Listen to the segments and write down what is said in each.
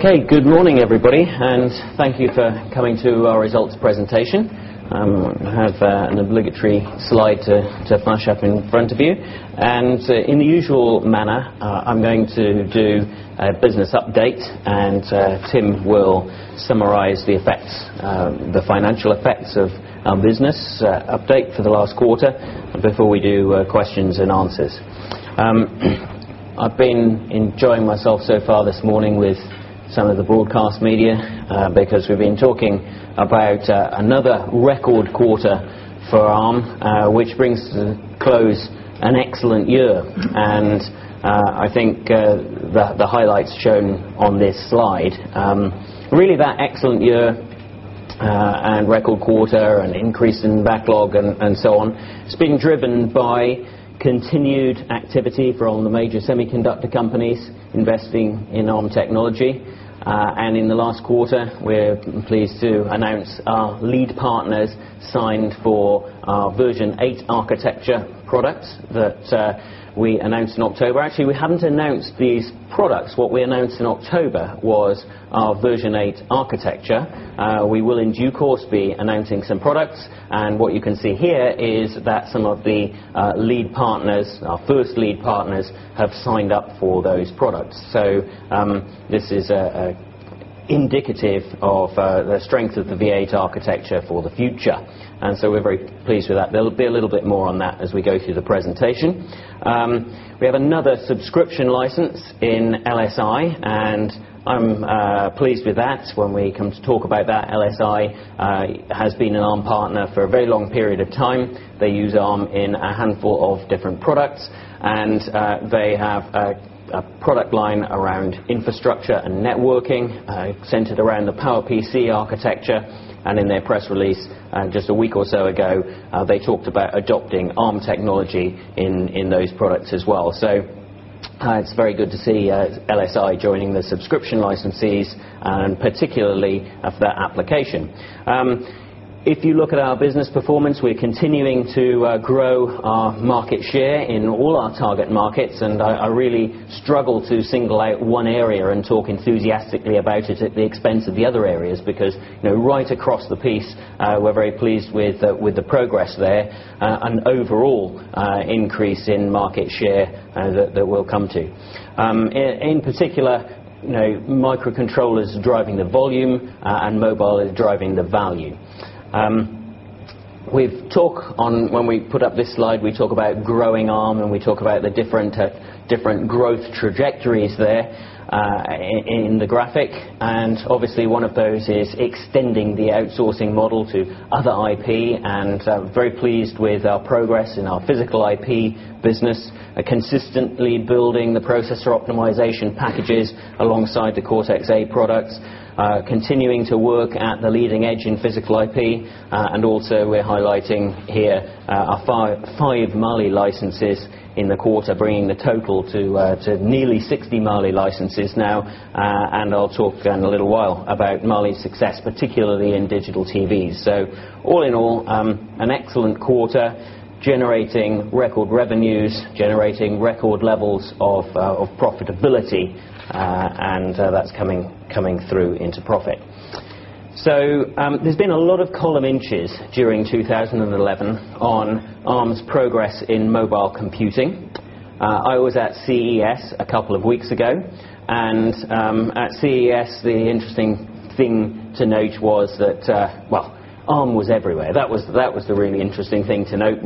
Okay, good morning everybody, and thank you for coming to our results presentation. I have an obligatory slide to flash up in front of you. In the usual manner, I'm going to do a business update, and Tim will summarize the effects, the financial effects of our business update for the last quarter before we do questions and answers. I've been enjoying myself so far this morning with some of the broadcast media because we've been talking about another record quarter for Arm, which brings to the close an excellent year. I think the highlights shown on this slide, really that excellent year and record quarter and increase in backlog and so on, it's been driven by continued activity from the major semiconductor companies investing in Arm technology. In the last quarter, we're pleased to announce our lead partners signed for our Armv8 architecture products that we announced in October. Actually, we haven't announced these products. What we announced in October was our Armv8 architecture. We will in due course be announcing some products. What you can see here is that some of the lead partners, our first lead partners, have signed up for those products. This is indicative of the strength of the Armv8 architecture for the future. We're very pleased with that. There'll be a little bit more on that as we go through the presentation. We have another subscription licensee in LSI, and I'm pleased with that. When we come to talk about that, LSI has been an Arm partner for a very long period of time. They use Arm in a handful of different products, and they have a product line around infrastructure and networking centered around the PowerPC architecture. In their press release just a week or so ago, they talked about adopting Arm technology in those products as well. It's very good to see LSI joining the subscription licensees, particularly for that application. If you look at our business performance, we're continuing to grow our market share in all our target markets. I really struggle to single out one area and talk enthusiastically about it at the expense of the other areas because, you know, right across the piece, we're very pleased with the progress there and overall increase in market share that we'll come to. In particular, microcontrollers are driving the volume, and mobile is driving the value. We've talked on, when we put up this slide, we talk about growing Arm, and we talk about the different growth trajectories there in the graphic. Obviously, one of those is extending the outsourcing model to other IP. I'm very pleased with our progress in our physical IP business, consistently building the processor optimization packages alongside the Cortex A products, continuing to work at the leading edge in physical IP. We're highlighting here our five Mali licenses in the quarter, bringing the total to nearly 60 Mali licenses now. I'll talk again in a little while about Mali's success, particularly in digital TVs. All in all, an excellent quarter, generating record revenues, generating record levels of profitability, and that's coming through into profit. There's been a lot of column inches during 2011 on Arm's progress in mobile computing. I was at CES a couple of weeks ago, and at CES, the interesting thing to note was that Arm was everywhere. That was the really interesting thing to note.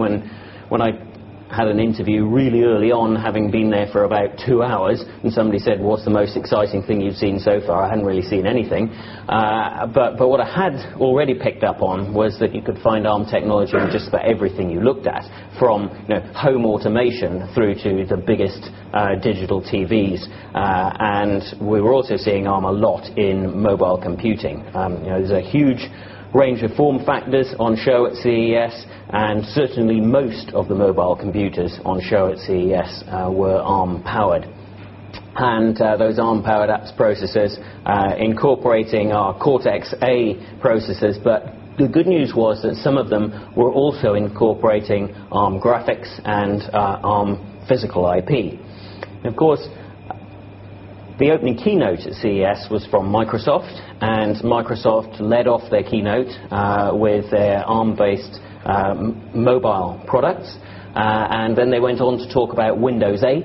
I had an interview really early on, having been there for about two hours, and somebody said, "What's the most exciting thing you've seen so far?" I hadn't really seen anything. What I had already picked up on was that you could find Arm technology in just about everything you looked at, from home automation through to the biggest digital TVs. We were also seeing Arm a lot in mobile computing. There's a huge range of form factors on show at CES, and certainly most of the mobile computers on show at CES were Arm-powered. Those Arm-powered apps processors incorporating our Cortex A processors, but the good news was that some of them were also incorporating Arm graphics and Arm physical IP. Of course, the opening keynote at CES was from Microsoft, and Microsoft led off their keynote with their Arm-based mobile products. They went on to talk about Windows 8,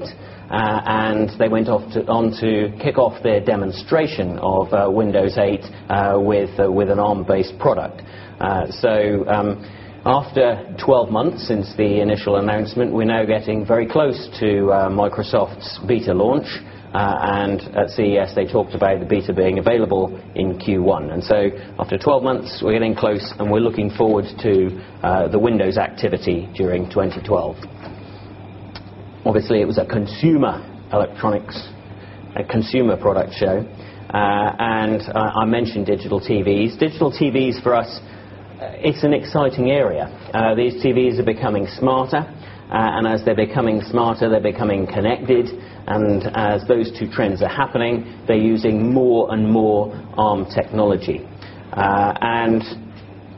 and they went on to kick off their demonstration of Windows 8 with an Arm-based product. After 12 months since the initial announcement, we're now getting very close to Microsoft's beta launch. At CES, they talked about the beta being available in Q1. After 12 months, we're getting close, and we're looking forward to the Windows activity during 2012. Obviously, it was a consumer electronics, a consumer product show. I mentioned digital TVs. Digital TVs for us, it's an exciting area. These TVs are becoming smarter, and as they're becoming smarter, they're becoming connected. As those two trends are happening, they're using more and more Arm technology.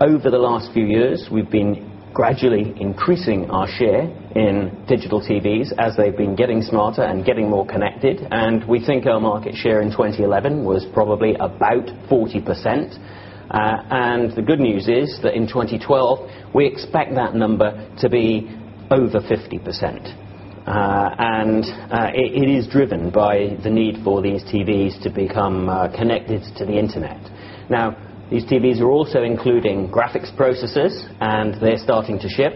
Over the last few years, we've been gradually increasing our share in digital TVs as they've been getting smarter and getting more connected. We think our market share in 2011 was probably about 40%. The good news is that in 2012, we expect that number to be over 50%. It is driven by the need for these TVs to become connected to the internet. These TVs are also including graphics processors, and they're starting to ship.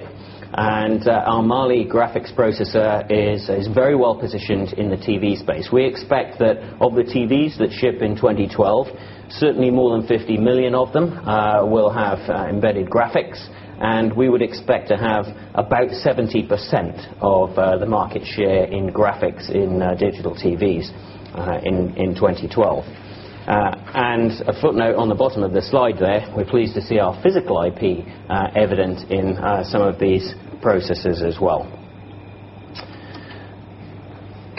Our Mali graphics processor is very well positioned in the TV space. We expect that of the TVs that ship in 2012, certainly more than 50 million of them will have embedded graphics. We would expect to have about 70% of the market share in graphics in digital TVs in 2012. A footnote on the bottom of the slide there, we're pleased to see our physical IP evident in some of these processors as well.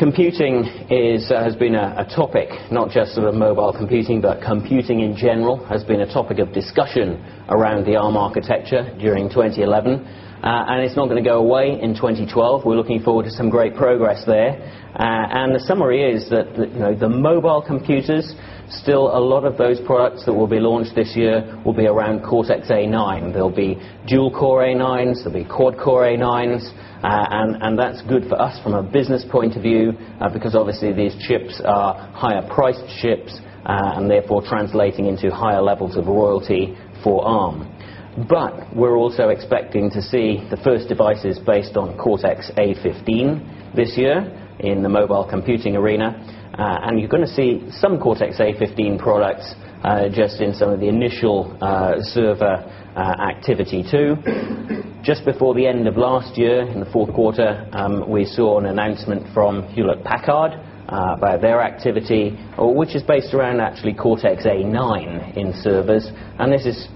Computing has been a topic, not just sort of mobile computing, but computing in general has been a topic of discussion around the Arm architecture during 2011. It's not going to go away in 2012. We're looking forward to some great progress there. The summary is that the mobile computers, still a lot of those products that will be launched this year will be around Cortex A9. There'll be dual-core A9s, there'll be quad-core A9s. That's good for us from a business point of view because obviously these chips are higher priced chips, and therefore translating into higher levels of royalty for Arm. We're also expecting to see the first devices based on Cortex A15 this year in the mobile computing arena. You're going to see some Cortex A15 products just in some of the initial server activity too. Just before the end of last year, in the fourth quarter, we saw an announcement from Hewlett-Packard about their activity, which is based around actually Cortex A9 in servers. This is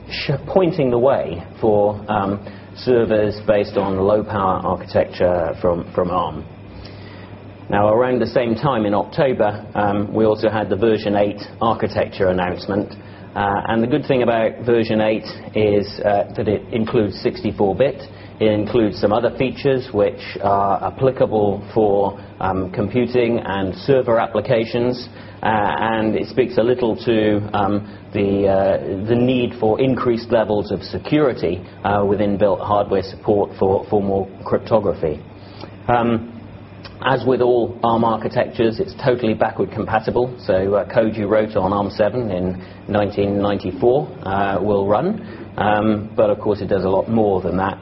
pointing the way for servers based on low-power architecture from Arm. Around the same time in October, we also had the version eight architecture announcement. The good thing about version eight is that it includes 64-bit. It includes some other features which are applicable for computing and server applications. It speaks a little to the need for increased levels of security within built hardware support for formal cryptography. As with all Arm architectures, it's totally backward compatible. Code you wrote on Arm 7 in 1994 will run. Of course, it does a lot more than that.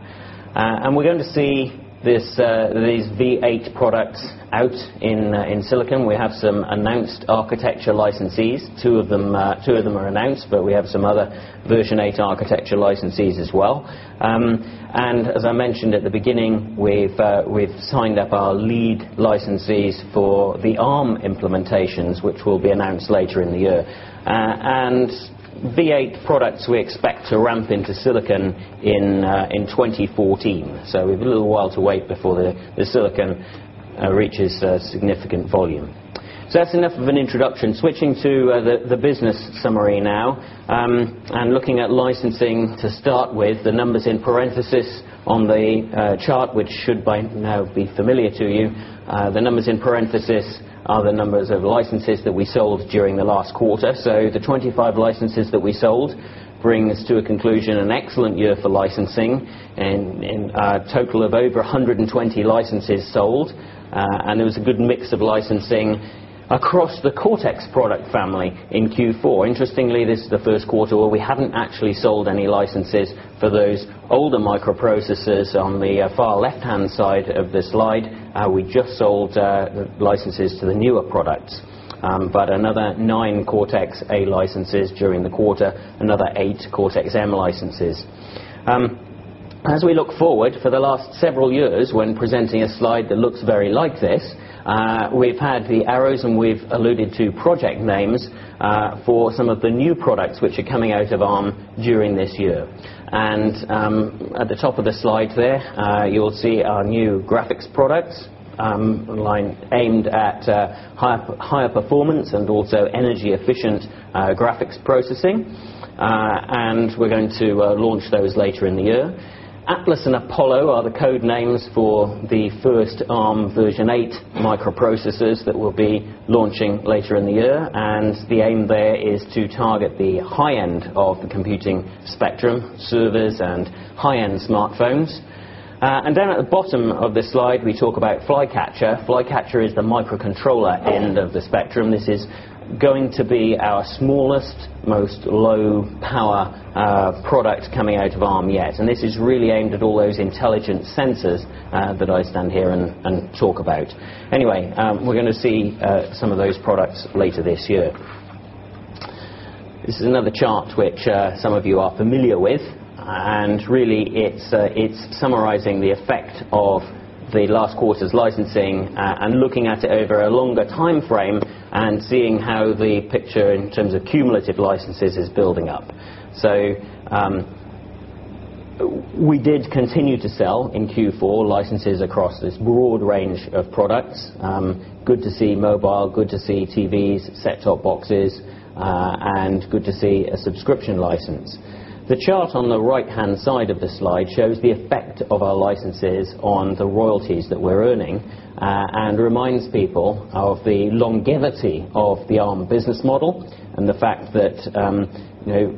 We're going to see these Armv8 products out in silicon. We have some announced architecture licenses. Two of them are announced, but we have some other version eight architecture licenses as well. As I mentioned at the beginning, we've signed up our lead licenses for the Arm implementations, which will be announced later in the year. Armv8 products are expected to ramp into silicon in 2014. We have a little while to wait before the silicon reaches significant volume. That's enough of an introduction. Switching to the business summary now and looking at licensing to start with, the numbers in parenthesis on the chart, which should by now be familiar to you. The numbers in parenthesis are the numbers of licenses that we sold during the last quarter. The 25 licenses that we sold bring us to a conclusion, an excellent year for licensing and a total of over 120 licenses sold. There was a good mix of licensing across the Cortex product family in Q4. Interestingly, this is the first quarter where we haven't actually sold any licenses for those older microprocessors. On the far left-hand side of the slide, we just sold licenses to the newer products. Another nine Cortex-A licenses during the quarter, another eight Cortex-M licenses. As we look forward for the last several years, when presenting a slide that looks very like this, we've had the arrows and we've alluded to project names for some of the new products which are coming out of Arm Holdings during this year. At the top of the slide there, you'll see our new graphics products aimed at higher performance and also energy-efficient graphics processing. We're going to launch those later in the year. Atlas and Apollo are the code names for the first Arm version eight microprocessors that will be launching later in the year. The aim there is to target the high-end of the computing spectrum, servers, and high-end smartphones. At the bottom of this slide, we talk about Flycatcher. Flycatcher is the microcontroller end of the spectrum. This is going to be our smallest, most low-power product coming out of Arm yet. This is really aimed at all those intelligent sensors that I stand here and talk about. We're going to see some of those products later this year. This is another chart which some of you are familiar with. It is summarizing the effect of the last quarter's licensing and looking at it over a longer timeframe and seeing how the picture in terms of cumulative licenses is building up. We did continue to sell in Q4 licenses across this broad range of products. Good to see mobile, good to see TVs, set-top boxes, and good to see a subscription license. The chart on the right-hand side of the slide shows the effect of our licenses on the royalties that we're earning and reminds people of the loyalty of the Arm business model and the fact that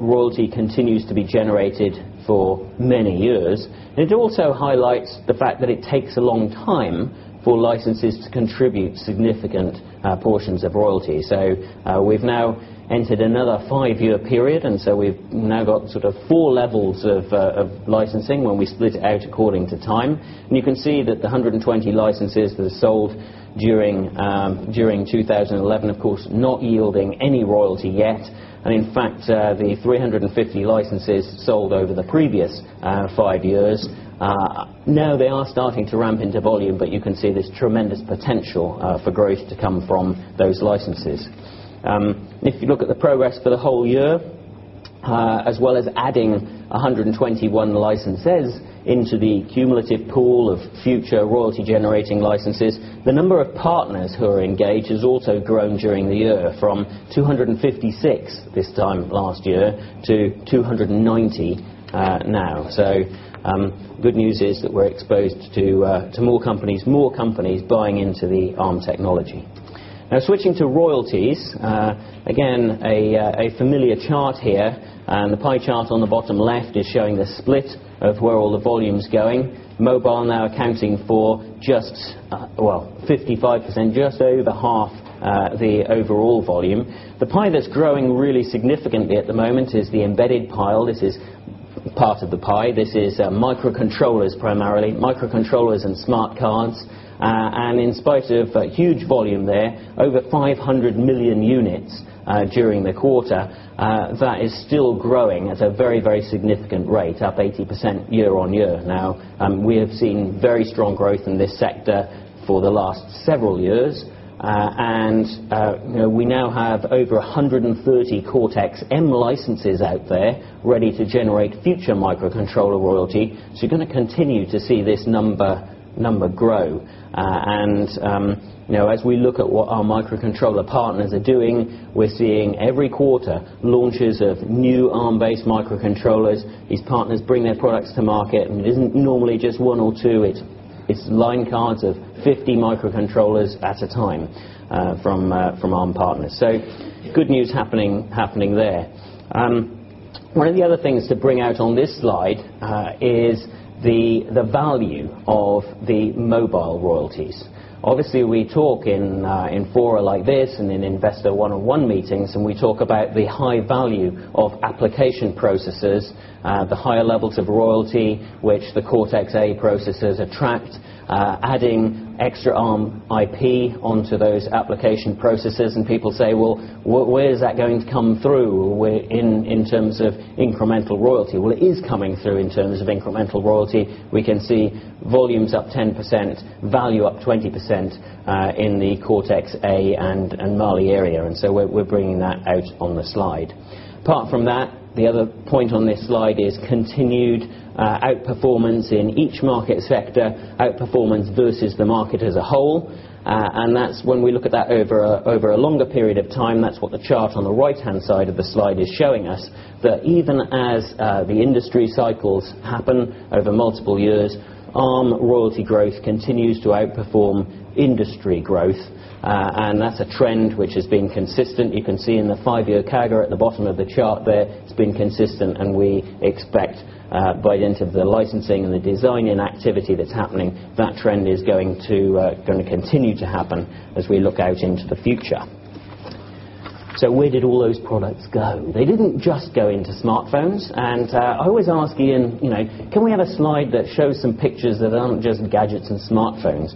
royalty continues to be generated for many years. It also highlights the fact that it takes a long time for licenses to contribute significant portions of royalty. We have now entered another five-year period. We have now got sort of four levels of licensing when we split it out according to time. You can see that the 120 licenses that are sold during 2011, of course, not yielding any royalty yet. In fact, the 350 licenses sold over the previous five years, now they are starting to ramp into volume, but you can see this tremendous potential for growth to come from those licenses. If you look at the progress for the whole year, as well as adding 121 licenses into the cumulative pool of future royalty-generating licenses, the number of partners who are engaged has also grown during the year from 256 this time last year to 290 now. Good news is that we're exposed to more companies, more companies buying into the Arm technology. Now, switching to royalties, again, a familiar chart here. The pie chart on the bottom left is showing the split of where all the volume is going. Mobile now accounting for just, well, 55%, just over half the overall volume. The pie that's growing really significantly at the moment is the embedded pile. This is part of the pie. This is microcontrollers, primarily, microcontrollers and smart cards. In spite of huge volume there, over 500 million units during the quarter, that is still growing at a very, very significant rate, up 80% yearyear. We have seen very strong growth in this sector for the last several years. We now have over 130 Cortex M licenses out there ready to generate future microcontroller royalty. You are going to continue to see this number grow. As we look at what our microcontroller partners are doing, we're seeing every quarter launches of new Arm-based microcontrollers. These partners bring their products to market, and it isn't normally just one or two. It's line cards of 50 microcontrollers at a time from Arm partners. Good news happening there. One of the other things to bring out on this slide is the value of the mobile royalties. Obviously, we talk in fora like this and in investor one-on-one meetings, and we talk about the high value of application processors, the higher levels of royalty which the Cortex A processors attract, adding extra Arm IP onto those application processors. People say, where is that going to come through in terms of incremental royalty? It is coming through in terms of incremental royalty. We can see volumes up 10%, value up 20% in the Cortex A and Mali area, and we're bringing that out on the slide. Apart from that, the other point on this slide is continued outperformance in each market sector, outperformance versus the market as a whole. When we look at that over a longer period of time, that's what the chart on the right-hand side of the slide is showing us, that even as the industry cycles happen over multiple years, Arm royalty growth continues to outperform industry growth. That's a trend which has been consistent. You can see in the five-year CAGR at the bottom of the chart there, it's been consistent. We expect by the end of the licensing and the design and activity that's happening, that trend is going to continue to happen as we look out into the future. Where did all those products go? They didn't just go into smartphones. I always ask Ian, can we have a slide that shows some pictures that aren't just gadgets and smartphones?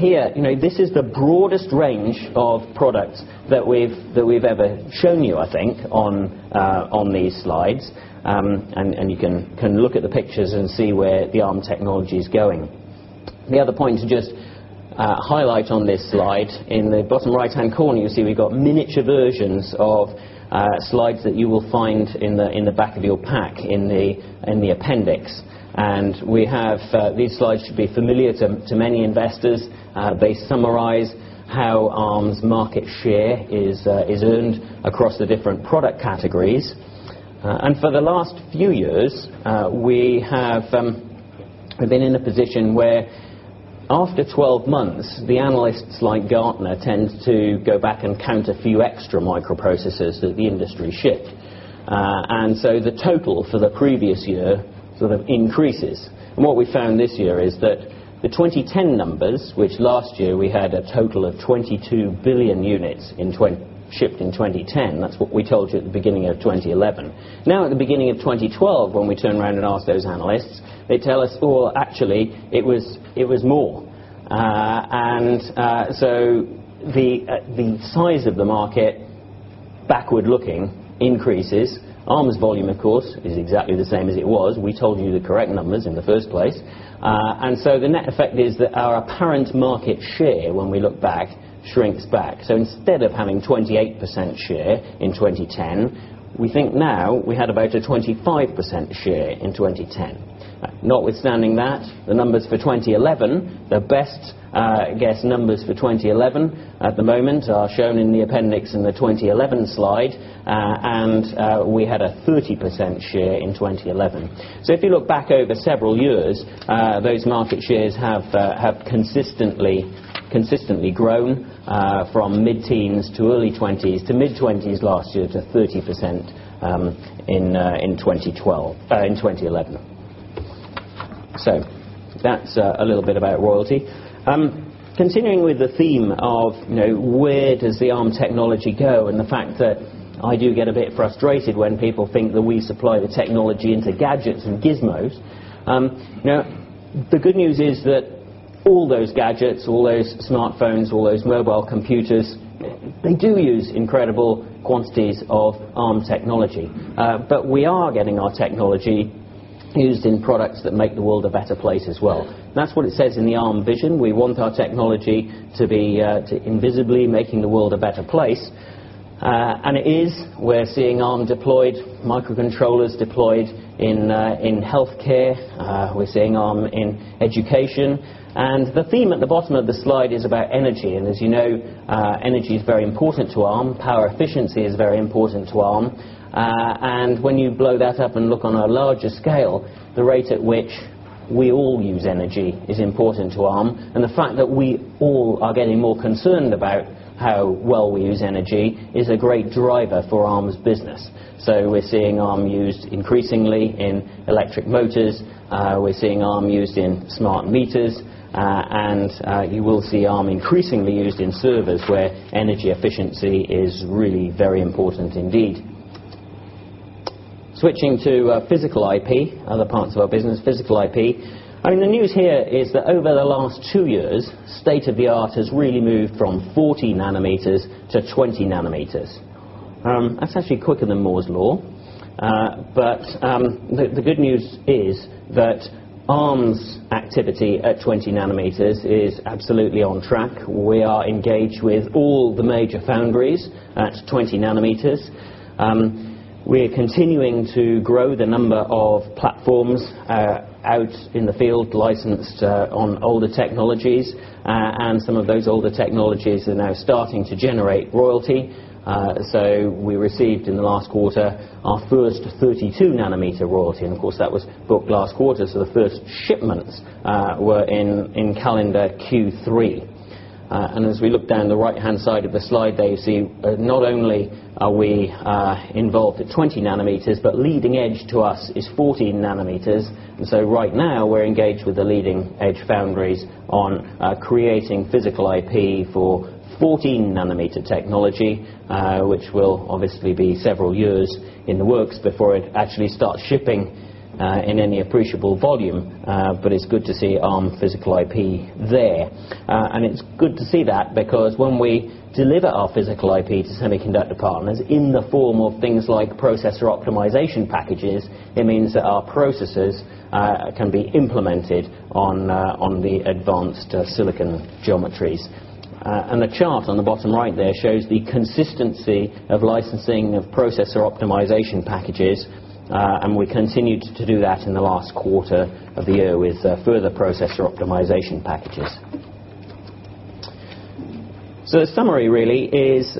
Here, this is the broadest range of products that we've ever shown you, I think, on these slides. You can look at the pictures and see where the Arm technology is going. The other point to just highlight on this slide, in the bottom right-hand corner, you'll see we've got miniature versions of slides that you will find in the back of your pack in the appendix. We have these slides should be familiar to many investors. They summarize how Arm's market share is earned across the different product categories. For the last few years, we have been in a position where after 12 months, the analysts like Gartner tend to go back and count a few extra microprocessors that the industry shipped, and so the total for the previous year sort of increases. What we found this year is that the 2010 numbers, which last year we had a total of 22 billion units shipped in 2010, that's what we told you at the beginning of 2011. Now at the beginning of 2012, when we turn around and ask those analysts, they tell us it was more. The size of the market, backward looking, increases. Arm's volume, of course, is exactly the same as it was. We told you the correct numbers in the first place. The net effect is that our apparent market share, when we look back, shrinks back. Instead of having 28% share in 2010, we think now we had about a 25% share in 2010. Notwithstanding that, the numbers for 2011, the best guess numbers for 2011 at the moment are shown in the appendix in the 2011 slide. We had a 30% share in 2011. If you look back over several years, those market shares have consistently grown from mid-teens to early 20s to mid-20s last year to 30% in 2011. That's a little bit about royalty. Continuing with the theme of where the Arm technology goes and the fact that I do get a bit frustrated when people think that we supply the technology into gadgets and gizmos. The good news is that all those gadgets, all those smartphones, all those mobile computers, they do use incredible quantities of Arm technology. We are getting our technology used in products that make the world a better place as well. That's what it says in the Arm vision. We want our technology to be invisibly making the world a better place. It is. We're seeing Arm Holdings deployed, microcontrollers deployed in healthcare. We're seeing Arm Holdings in education. The theme at the bottom of the slide is about energy. As you know, energy is very important to Arm. Power efficiency is very important to Arm. When you blow that up and look on a larger scale, the rate at which we all use energy is important to Arm. The fact that we all are getting more concerned about how well we use energy is a great driver for Arm's business. We're seeing Arm Holdings used increasingly in electric motors. We're seeing Arm Holdings used in smart meters. You will see Arm increasingly used in servers where energy efficiency is really very important indeed. Switching to physical IP, other parts of our business, physical IP. The news here is that over the last two years, state of the art has really moved from 40 nm-20 nm. That's actually quicker than Moore's law. The good news is that Arm's activity at 20nm is absolutely on track. We are engaged with all the major foundries at 20nm. We are continuing to grow the number of platforms out in the field licensed on older technologies. Some of those older technologies are now starting to generate royalty. We received in the last quarter our first 32nm royalty, and that was booked last quarter. The first shipments were in calendar Q3. As we look down the right-hand side of the slide there, you see not only are we involved at 20nm, but leading edge to us is 14nm. Right now, we're engaged with the leading edge foundries on creating physical IP for 14nm technology, which will obviously be several years in the works before it actually starts shipping in any appreciable volume. It's good to see Arm physical IP there. It's good to see that because when we deliver our physical IP to semiconductor partners in the form of things like processor optimization packages, it means that our processors can be implemented on the advanced silicon geometries. The chart on the bottom right there shows the consistency of licensing of processor optimization packages. We continued to do that in the last quarter of the year with further processor optimization packages. The summary really is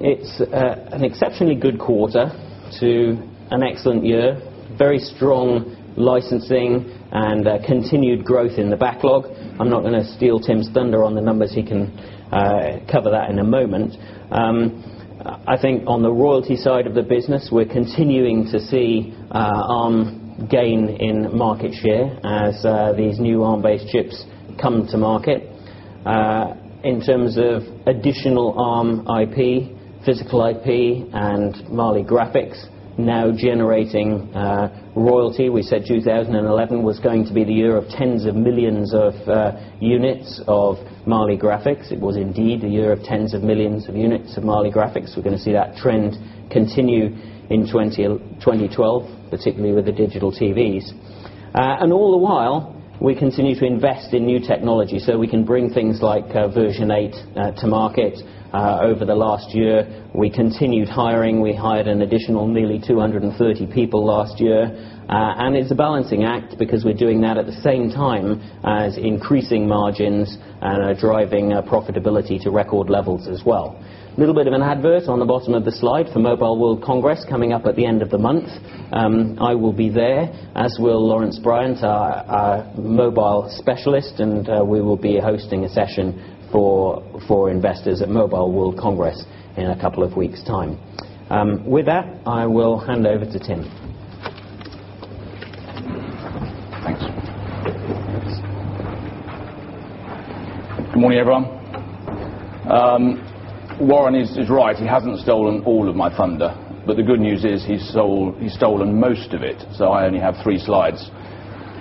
it's an exceptionally good quarter to an excellent year, very strong licensing and continued growth in the backlog. I'm not going to steal Tim's thunder on the numbers. He can cover that in a moment. I think on the royalty side of the business, we're continuing to see Arm gain in market share as these new Arm-based chips come to market. In terms of additional Arm IP, physical IP, and Mali graphics now generating royalty, we said 2011 was going to be the year of tens of millions of units of Mali graphics. It was indeed the year of tens of millions of units of Mali graphics. We're going to see that trend continue in 2012, particularly with the digital TVs. All the while, we continue to invest in new technology so we can bring things like version eight to market. Over the last year, we continued hiring. We hired an additional nearly 230 people last year. It's a balancing act because we're doing that at the same time as increasing margins and driving profitability to record levels as well. A little bit of an advert on the bottom of the slide for Mobile World Congress coming up at the end of the month. I will be there, as will Lawrence Bryant, our mobile specialist. We will be hosting a session for investors at Mobile World Congress in a couple of weeks' time. With that, I will hand over to Tim. Thanks, East. Good morning, everyone. Warren is right. He hasn't stolen all of my thunder, but the good news is he's stolen most of it. I only have three slides.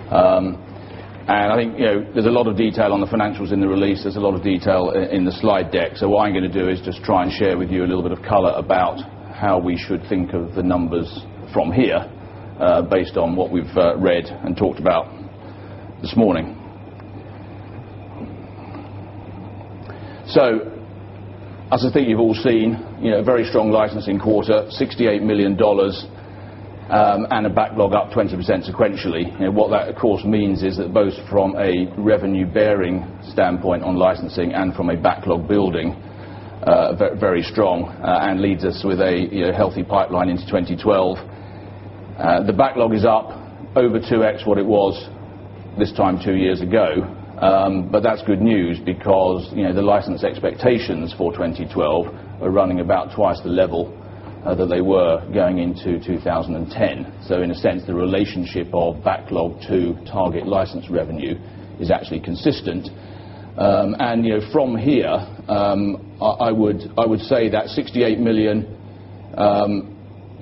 I think there's a lot of detail on the financials in the release. There's a lot of detail in the slide deck. What I'm going to do is just try and share with you a little bit of color about how we should think of the numbers from here based on what we've read and talked about this morning. As I think you've all seen, a very strong licensing quarter, $68 million, and a backlog up 20% sequentially. What that, of course, means is that both from a revenue-bearing standpoint on licensing and from a backlog building, very strong and leads us with a healthy pipeline into 2012. The backlog is up over 2x what it was this time two years ago. That's good news because the license expectations for 2012 are running about twice the level that they were going into 2010. In a sense, the relationship of backlog to target license revenue is actually consistent. From here, I would say that $68 million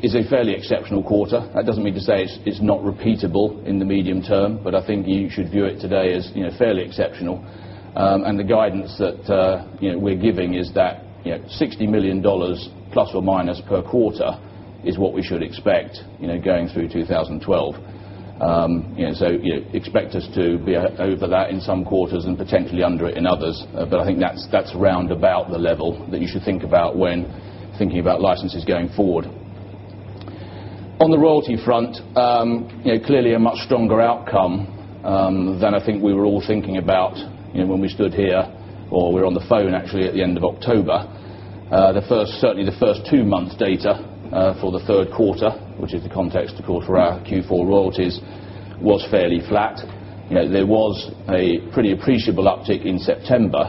is a fairly exceptional quarter. That doesn't mean to say it's not repeatable in the medium term, but I think you should view it today as fairly exceptional. The guidance that we're giving is that $60 million ± per quarter is what we should expect going through 2012. Expect us to be over that in some quarters and potentially under it in others. I think that's around about the level that you should think about when thinking about licenses going forward. On the royalty front, clearly a much stronger outcome than I think we were all thinking about when we stood here or were on the phone actually at the end of October. Certainly, the first two months' data for the third quarter, which is the context, of course, for our Q4 royalties, was fairly flat. There was a pretty appreciable uptick in September,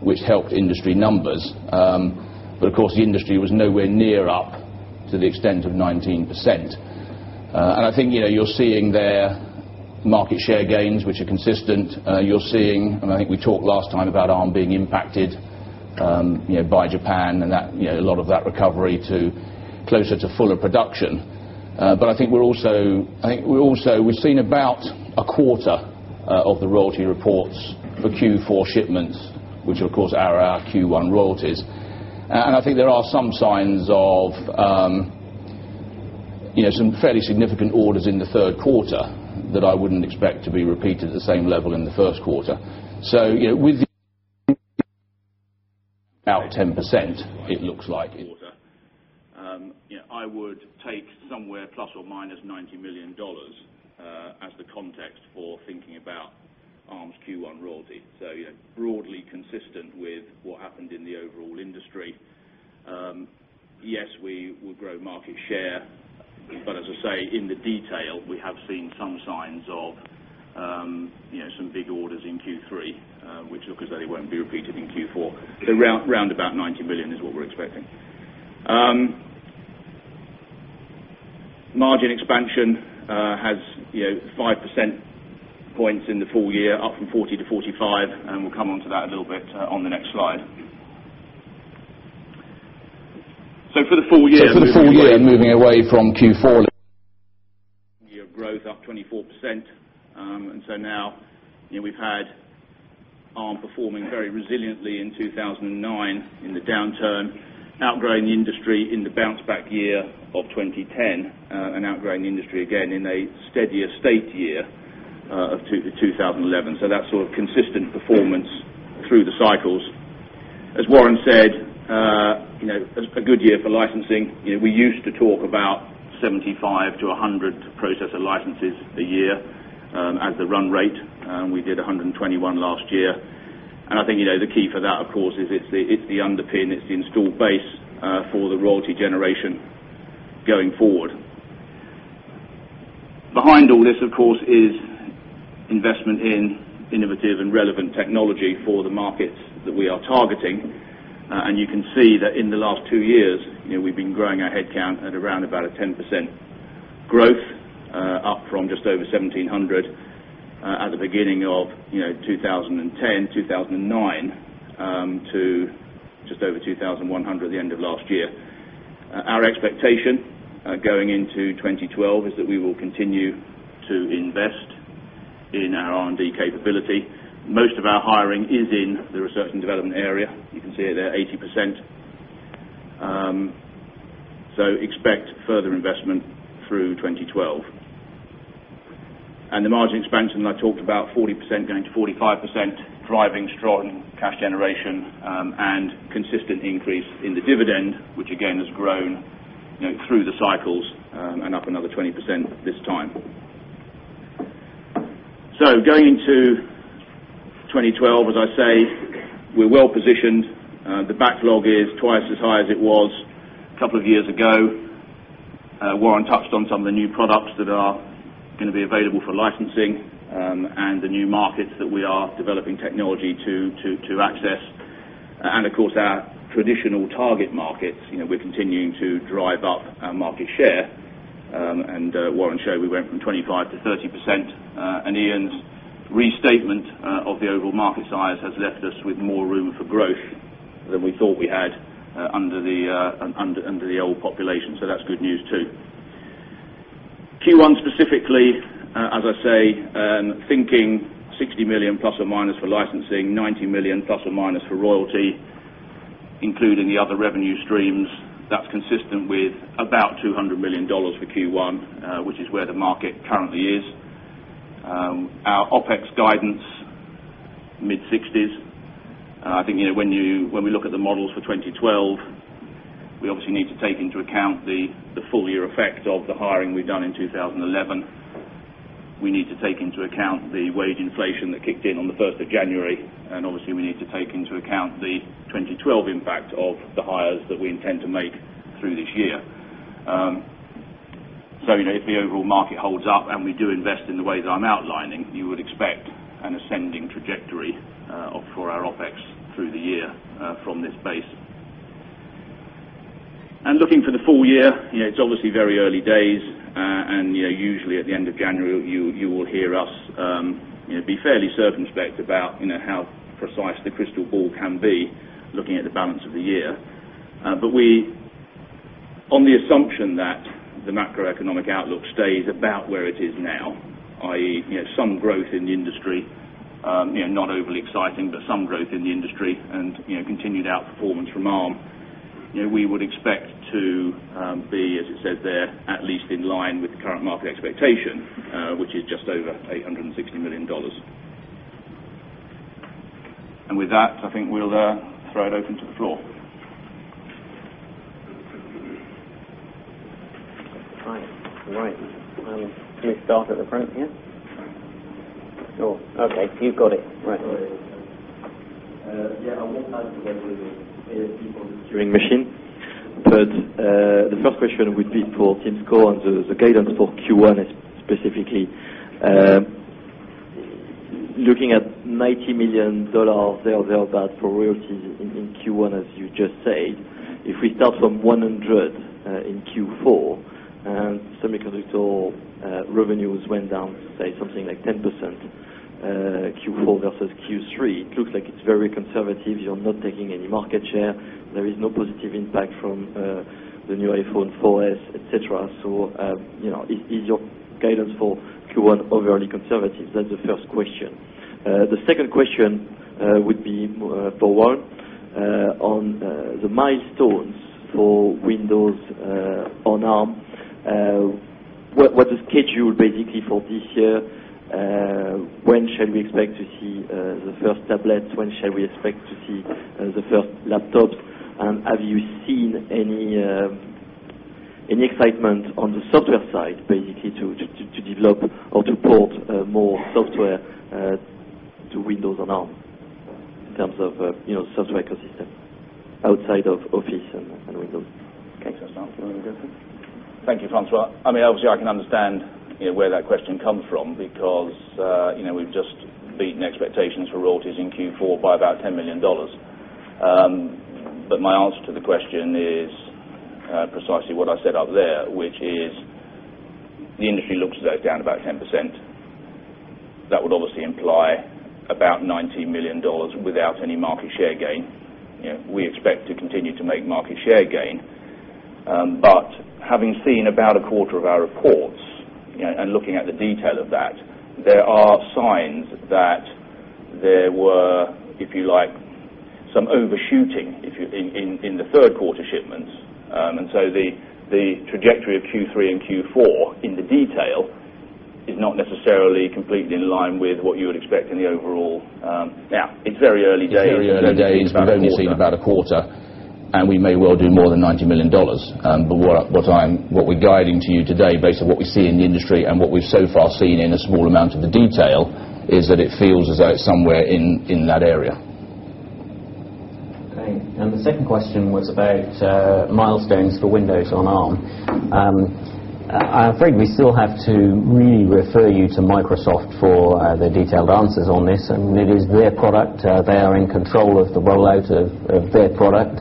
which helped industry numbers. The industry was nowhere near up to the extent of 19%. I think you're seeing their market share gains, which consistent. I think we talked last time about Arm being impacted by Japan and a lot of that recovery to closer to fuller production. I think we've also seen about a quarter of the royalty reports for Q4 shipments, which are, of course, our Q1 royalties. I think there are some signs of some fairly significant orders in the third quarter that I wouldn't expect to be repeated at the same level in the first quarter. With the 10%, it looks like. Quarter, I would take somewhere plus or minus $90 million as the context for thinking about Arm Q1 royalty. Broadly consistent with what happened in the overall industry, yes, we will grow market share. As I say, in the detail, we have seen some signs of some big orders in Q3, which look as though they won't be repeated in Q4. Round about $90 million is what we're expecting. Margin expansion has 5% points in the full year, up from 40%-45%. We'll come onto that a little bit on the next slide. For the full year. For the full year, moving away from Q4. Year growth up 24%. Now we've had Arm performing very resiliently in 2009 in the downturn, outgrowing the industry in the bounce-back year of 2010, and outgrowing the industry again in a steadier state year of 2011. That is sort of consistent performance through the cycles. As Warren East said, a good year for licensing. We used to talk about 75-100 processor licenses a year as the run rate. We did 121 last year. I think the key for that, of course, is it's the underpin, it's the installed base for the royalty generation going forward. Behind all this, of course, is investment in innovative and relevant technology for the markets that we are targeting. You can see that in the last two years, we've been growing our headcount at around about a 10% growth, up from just over 1,700 at the beginning of 2009 to just over 2,100 at the end of last year. Our expectation going into 2012 is that we will continue to invest in our R&D capability. Most of our hiring is in the Research and Development area. You can see it there, 80%. Expect further investment through 2012. The margin expansion that I talked about, 40% going to 45%, driving strong cash generation and consistent increase in the dividend, which again has grown through the cycles and up another 20% this time. Going into 2012, as I say, we're well positioned. The backlog is twice as high as it was a couple of years ago. Warren East touched on some of the new products that are going to be available for licensing and the new markets that we are developing technology to access. Our traditional target markets, we're continuing to drive up our market share. Warren East showed we went from 25%-30%. Ian Thornton's restatement of the overall market size has left us with more room for growth than we thought we had under the old population. That is good news too. Q1 specifically, as I say, thinking $60 million plus or minus for licensing, $90 million plus or minus for royalty, including the other revenue streams, that's consistent with about $200 million for Q1, which is where the market currently is. Our OpEx guidance, mid-60s. I think when we look at the models for 2012, we obviously need to take into account the full-year effect of the hiring we've done in 2011. We need to take into account the wage inflation that kicked in on the 1st of January. Obviously, we need to take into account the 2012 impact of the hires that we intend to make through this year. If the overall market holds up and we do invest in the way that I'm outlining, you would expect an ascending trajectory for our OpEx through the year from this base. Looking for the full year, it's obviously very early days. Usually, at the end of January, you will hear us be fairly circumspect about how precise the crystal ball can be looking at the balance of the year. We're on the assumption that the macroeconomic outlook stays about where it is now, i.e., some growth in the industry, not overly exciting, but some growth in the industry and continued outperformance from Arm Holdings. We would expect to be, as it says there, at least in line with the current market expectation, which is just over $860 million. With that, I think we'll throw it open to the floor. Fine. Can we start at the front here? Sure. Okay, you've got it. Yeah. I won't like to go with the people during machines. The first question would be for Tim Score and the guidance for Q1 specifically. Looking at $90 million there for royalties in Q1, as you just said, if we start from $100 million in Q4 and semiconductor revenues went down to say something like 10% Q4 versus Q3, it looks like it's very conservative. You're not taking any market share. There is no positive impact from the new iPhone 4S, etc. Is your guidance for Q1 overly conservative? That's the first question. The second question would be for Warren on the milestones for Windows on Arm. What's the schedule basically for this year? When shall we expect to see the first tablets? When shall we expect to see the first laptops? Have you seen any excitement on the software side, basically, to develop or to port more software to Windows on Arm in terms of the software ecosystem outside of Office and Windows? Thank you, François. I mean, obviously, I can understand where that question comes from because we've just beaten expectations for royalties in Q4 by about $10 million. My answer to the question is precisely what I set up there, which is the industry looks as though it's down about 10%. That would obviously imply about $90 million without any market share gain. We expect to continue to make market share gain. Having seen about a quarter of our reports and looking at the detail of that, there are signs that there were, if you like, some overshooting in the third quarter shipments. The trajectory of Q3 and Q4 in the detail is not necessarily completely in line with what you would expect in the overall. Now, it's very early days. It's very early days. We've only seen about a quarter, and we may well do more than $90 million. What we're guiding to you today based on what we see in the industry and what we've so far seen in a small amount of the detail is that it feels as though it's somewhere in that area. Thanks. The second question was about milestones for Windows on Arm. I'm afraid we still have to really refer you to Microsoft for their detailed answers on this. It is their product. They are in control of the rollout of their product.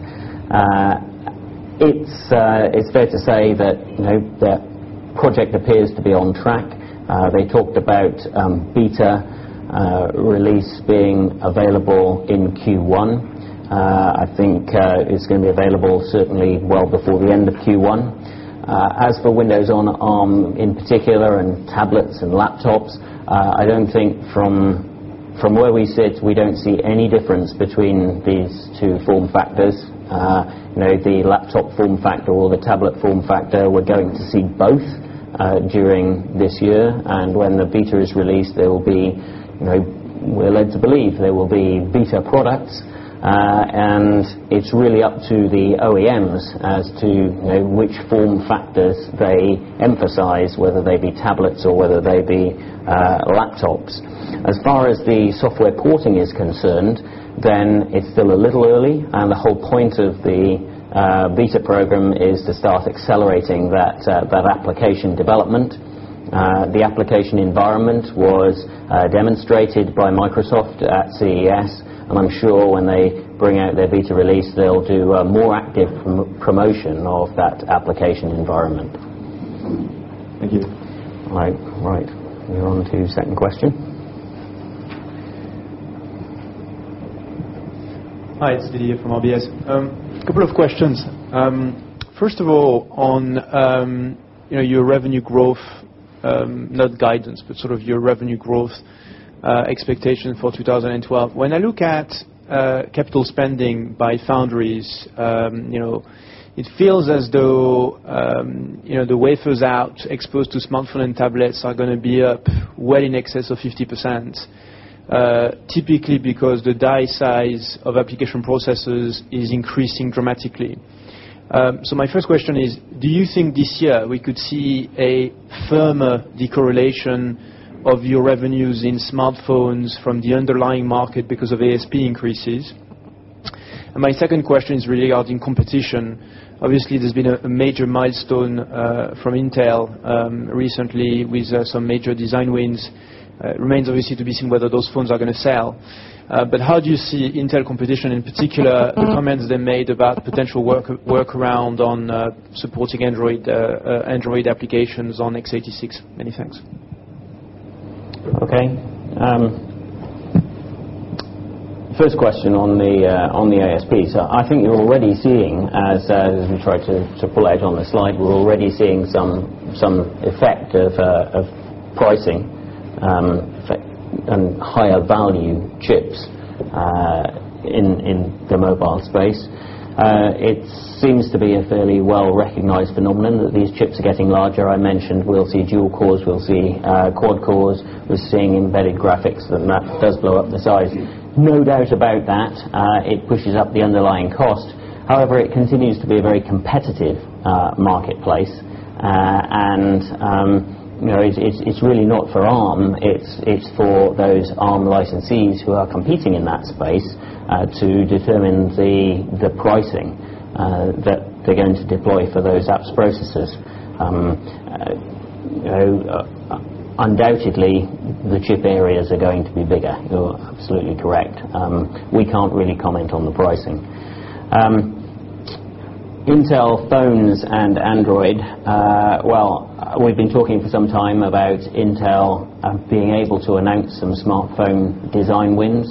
It's fair to say that the project appears to be on track. They talked about beta release being available in Q1. I think it's going to be available certainly well before the end of Q1. As for Windows on Arm in particular and tablets and laptops, I don't think from where we sit, we don't see any difference between these two form factors. The laptop form factor or the tablet form factor, we're going to see both during this year. When the beta is released, there will be, we're led to believe, there will be beta products. It's really up to the OEMs as to which form factors they emphasize, whether they be tablets or whether they be laptops. As far as the software porting is concerned, it's still a little early. The whole point of the beta program is to start accelerating that application development. The application environment was demonstrated by Microsoft at CES. I'm sure when they bring out their beta release, they'll do a more active promotion of that application environment. Thank you. All right, we're on to the second question. Hi, it's Didier from RBS. A couple of questions. First of all, on your revenue growth, not guidance, but sort of your revenue growth expectation for 2012. When I look at capital spending by foundries, it feels as though the wafers out exposed to smartphone and tablets are going to be up well in excess of 50%, typically because the die size of application processors is increasing dramatically. My first question is, do you think this year we could see a firmer decorrelation of your revenues in smartphones from the underlying market because of ASP increases? My second question is really regarding competition. Obviously, there's been a major milestone from Intel recently with some major design wins. It remains obviously to be seen whether those phones are going to sell. How do you see Intel competition in particular, the comments they made about potential workaround on supporting Android applications on x86? Many thanks. Okay. First question on the ASP. I think you're already seeing, as I'm trying to pull out on the slide, we're already seeing some effect of pricing and higher value chips in the mobile space. It seems to be a fairly well-recognized phenomenon that these chips are getting larger. I mentioned we'll see dual cores, we'll see quad cores. We're seeing embedded graphics and that does blow up the size. No doubt about that. It pushes up the underlying cost. However, it continues to be a very competitive marketplace. It's really not for Arm Holdings. It's for those Arm Holdings licensees who are competing in that space to determine the pricing that they're going to deploy for those apps processors. Undoubtedly, the chip areas are going to be bigger. You're absolutely correct. We can't really comment on the pricing. Intel phones and Android. We've been talking for some time about Intel being able to announce some smartphone design wins.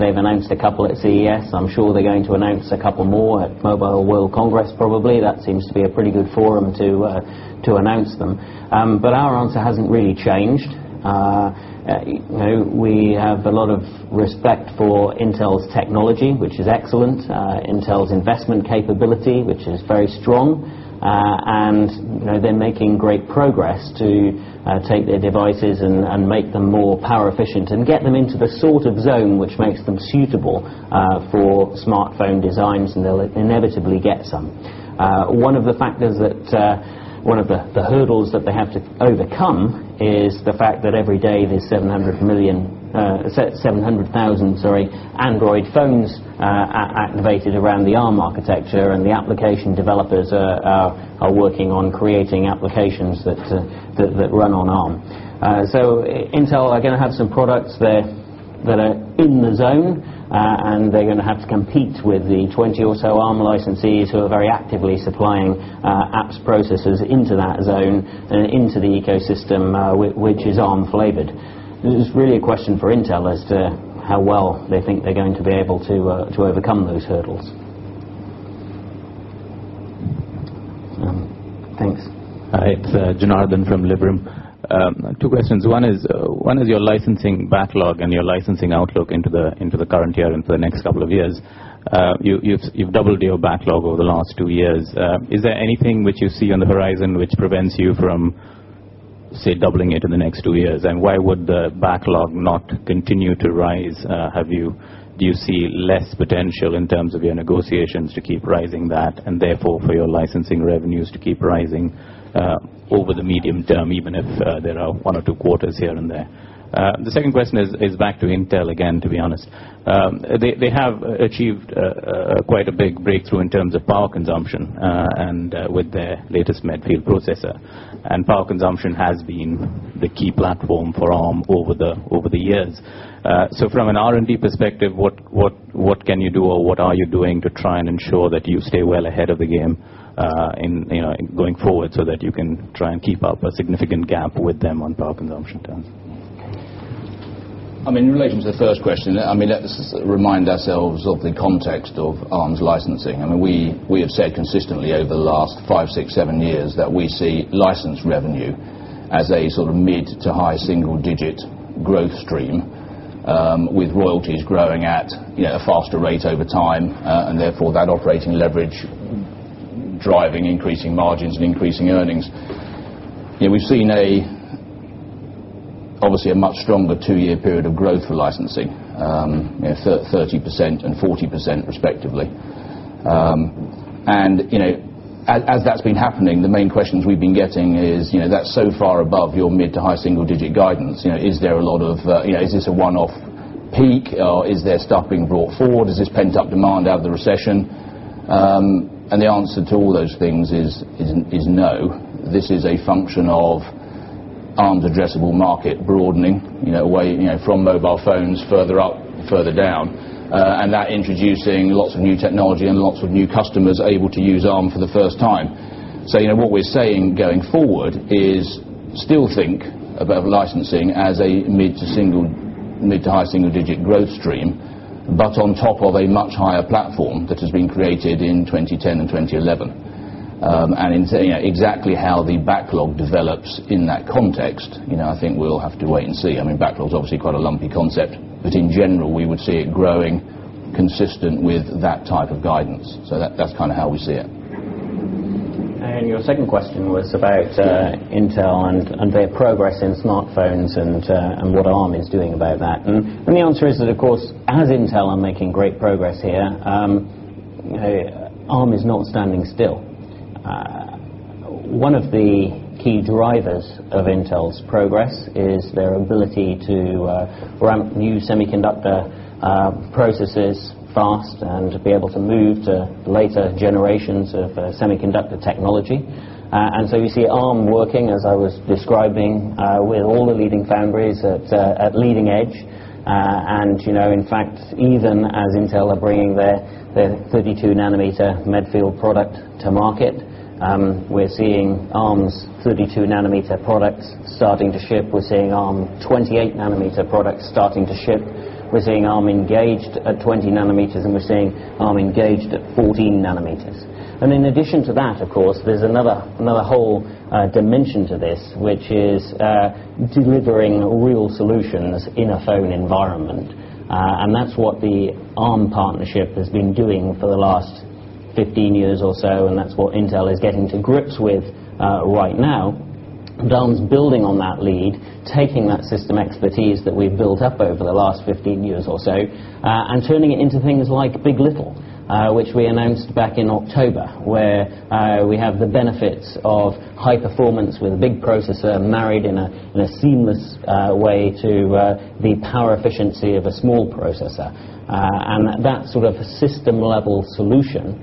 They've announced a couple at CES. I'm sure they're going to announce a couple more at Mobile World Congress, probably. That seems to be a pretty good forum to announce them. Our answer hasn't really changed. We have a lot of respect for Intel's technology, which is excellent, Intel's investment capability, which is very strong. They're making great progress to take their devices and make them more power efficient and get them into the sort of zone which makes them suitable for smartphone designs. They'll inevitably get some. One of the factors that one of the hurdles that they have to overcome is the fact that every day there's 700,000 Android phones activated around the Arm architecture. The application developers are working on creating applications that run on Arm. Intel are going to have some products that are in the zone. They're going to have to compete with the 20 or so Arm licensees who are very actively supplying apps processors into that zone and into the ecosystem, which is Arm-flavored. This is really a question for Intel as to how well they think they're going to be able to overcome those hurdles. Thanks. It's Jan Arden from Liberum. Two questions. One is, what is your licensing backlog and your licensing outlook into the current year and for the next couple of years? You've doubled your backlog over the last two years. Is there anything which you see on the horizon which prevents you from, say, doubling it in the next two years? Why would the backlog not continue to rise? Do you see less potential in terms of your negotiations to keep rising that and therefore for your licensing revenues to keep rising over the medium term, even if there are one or two quarters here and there? The second question is back to Intel again, to be honest. They have achieved quite a big breakthrough in terms of power consumption and with their latest Medfield processor. Power consumption has been the key platform for Arm over the years. From an R&D perspective, what can you do or what are you doing to try and ensure that you stay well ahead of the game going forward so that you can try and keep up a significant gap with them on power consumption terms? In relation to the first question, let's remind ourselves of the context of Arm's licensing. We have said consistently over the last five, six, seven years that we see license revenue as a sort of mid to high single-digit growth stream with royalties growing at a faster rate over time. Therefore, that operating leverage drives increasing margins and increasing earnings. We've seen obviously a much stronger two-year period of growth for licensing, 30% and 40% respectively. As that's been happening, the main questions we've been getting are, that's so far above your mid to high single-digit guidance, is there a lot of, is this a one-off peak or is there something brought forward, is this pent-up demand out of the recession? The answer to all those things is no. This is a function of Arm's addressable market broadening away from mobile phones further up and further down, and that introduces lots of new technology and lots of new customers able to use Arm Holdings for the first time. What we're saying going forward is still think about licensing as a mid to high single-digit growth stream, but on top of a much higher platform that has been created in 2010 and 2011. Exactly how the backlog develops in that context, I think we'll have to wait and see. Backlog is obviously quite a lumpy concept. In general, we would see it growing consistent with that type of guidance. That's kind of how we see it. Your second question was about Intel and their progress in smartphones and what Arm is doing about that. The answer is that, of course, as Intel are making great progress here, Arm is not standing still. One of the key drivers of Intel's progress is their ability to ramp new semiconductor processors fast and to be able to move to later generations of semiconductor technology. We see Arm working, as I was describing, with all the leading foundries at leading edge. In fact, even as Intel are bringing their 32-nanometer Medfield product to market, we're seeing Arm's 32 nm products starting to ship. We're seeing Arm 28 nm products starting to ship. We're seeing Arm engaged at 20nm, and we're seeing Arm engaged at 14nm. In addition to that, there's another whole dimension to this, which is delivering real solutions in a phone environment. That's what the Arm partnership has been doing for the last 15 years or so. That's what Intel is getting to grips with right now. Dan's building on that lead, taking that system expertise that we've built up over the last 15 years or so, and turning it into things like Big.LITTLE, which we announced back in October, where we have the benefits of high performance with a big processor married in a seamless way to the power efficiency of a small processor. That sort of system-level solution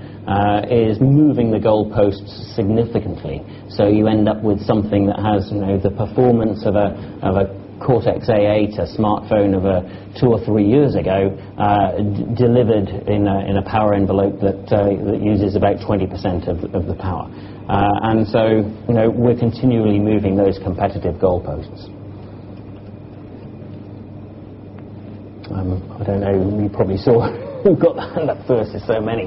is moving the goalposts significantly. You end up with something that has the performance of a Cortex A8 smartphone of two or three years ago, delivered in a power envelope that uses about 20% of the power. We're continually moving those competitive goalposts. I don't know. You probably saw who got that first. There's so many.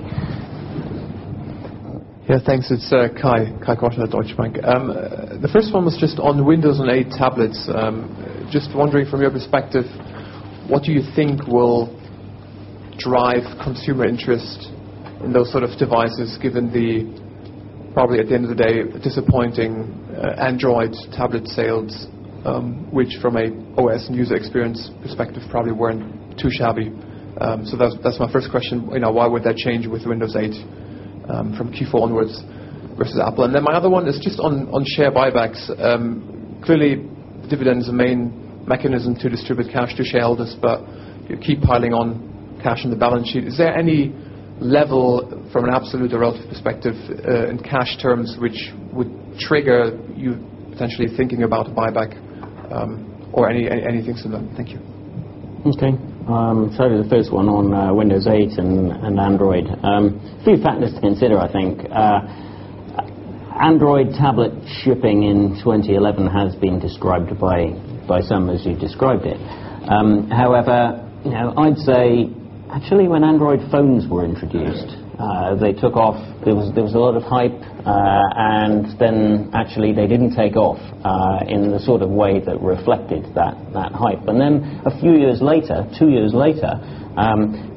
Yeah, thanks. It's Kai Niklas Walter in Deutsche Bank. The first one was just on Windows on Arm tablets. Just wondering, from your perspective, what do you think will drive consumer interest in those sort of devices, given the probably, at the end of the day, disappointing Android tablet sales, which from an OS and user experience perspective probably weren't too shabby? That's my first question. Why would that change with Windows on Arm from Q4 onwards versus Apple? My other one is just on share buybacks. Clearly, dividends are the main mechanism to distribute cash to shareholders, but you keep piling on cash in the balance sheet. Is there any level from an absolute or relative perspective in cash terms which would trigger you potentially thinking about a buyback or anything similar? Thank you. Okay. The first one on Windows on Arm and Android. A few factors to consider, I think. Android tablets shipping in 2011 has been described by some as you described it. However, I'd say actually when Android phones were introduced, they took off. There was a lot of hype. Actually, they didn't take off in the sort of way that reflected that hype. A few years later, two years later,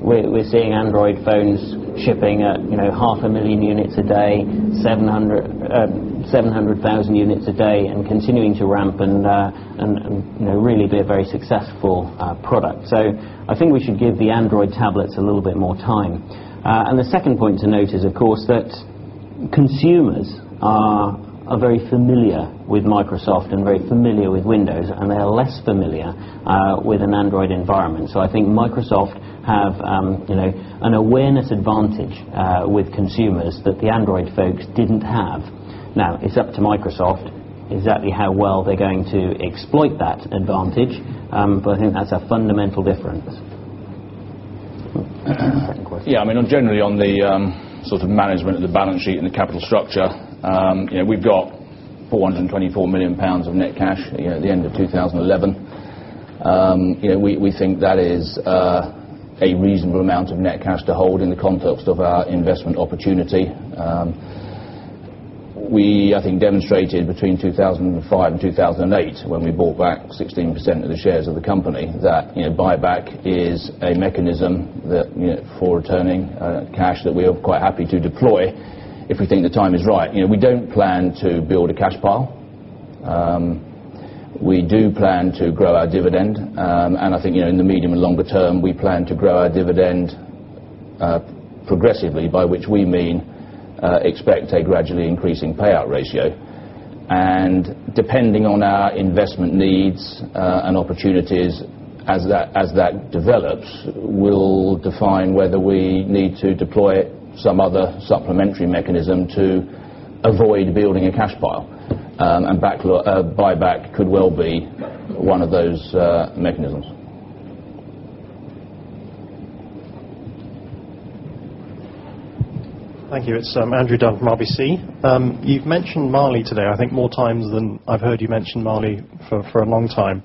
we're seeing Android phones shipping at half a million units a day, 700,000 units a day, and continuing to ramp and really be a very successful product. I think we should give the Android tablets a little bit more time. The second point to note is, of course, that consumers are very familiar with Microsoft and very familiar with Windows, and they are less familiar with an Android environment. I think Microsoft have an awareness advantage with consumers that the Android folks didn't have. Now, it's up to Microsoft exactly how well they're going to exploit that advantage, but I think that's a fundamental difference. Yeah, I mean, generally on the sort of management of the balance sheet and the capital structure, we've got 424 million pounds of net cash at the end of 2011. We think that is a reasonable amount of net cash to hold in the context of our investment opportunity. We, I think, demonstrated between 2005 and 2008 when we bought back 16% of the shares of the company that buyback is a mechanism for returning cash that we are quite happy to deploy if we think the time is right. We don't plan to build a cash pile. We do plan to grow our dividend. I think in the medium and longer term, we plan to grow our dividend progressively, by which we mean expect a gradually increasing payout ratio. Depending on our investment needs and opportunities as that develops, we'll define whether we need to deploy some other supplementary mechanism to avoid building a cash pile. Buyback could well be one of those mechanisms. Thank you. It's Andrew Dunn from RBC. You've mentioned Mali today, I think, more times than I've heard you mention Mali for a long time.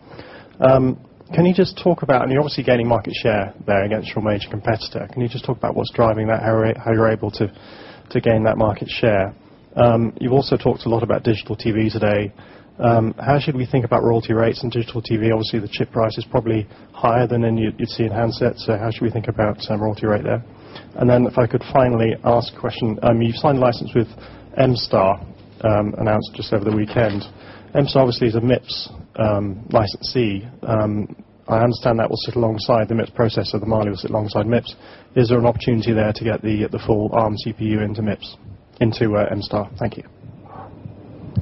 Can you just talk about, and you're obviously gaining market share there against your major competitor, can you just talk about what's driving that, how you're able to gain that market share? You've also talked a lot about digital TV today. How should we think about royalty rates in digital TV? Obviously, the chip price is probably higher than you'd see in handsets. How should we think about royalty rate there? If I could finally ask a question, you've signed a license with Star announced just over the weekend. MStar obviously is a MIPS licensee. I understand that will sit alongside the MIPS processor. The Mali will sit alongside MIPS. Is there an opportunity there to get the full Arm CPU into MIPS into MStar? Thank you.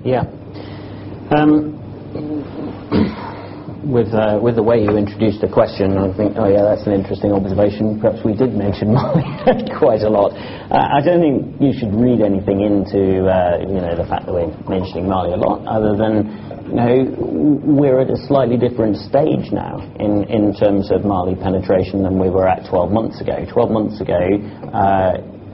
Yeah. With the way you introduced the question, I think, oh yeah, that's an interesting observation. Perhaps we did mention Mali quite a lot. I don't think you should read anything into the fact that we're mentioning Mali a lot other than we're at a slightly different stage now in terms of Mali penetration than we were at 12 months ago. 12 months ago,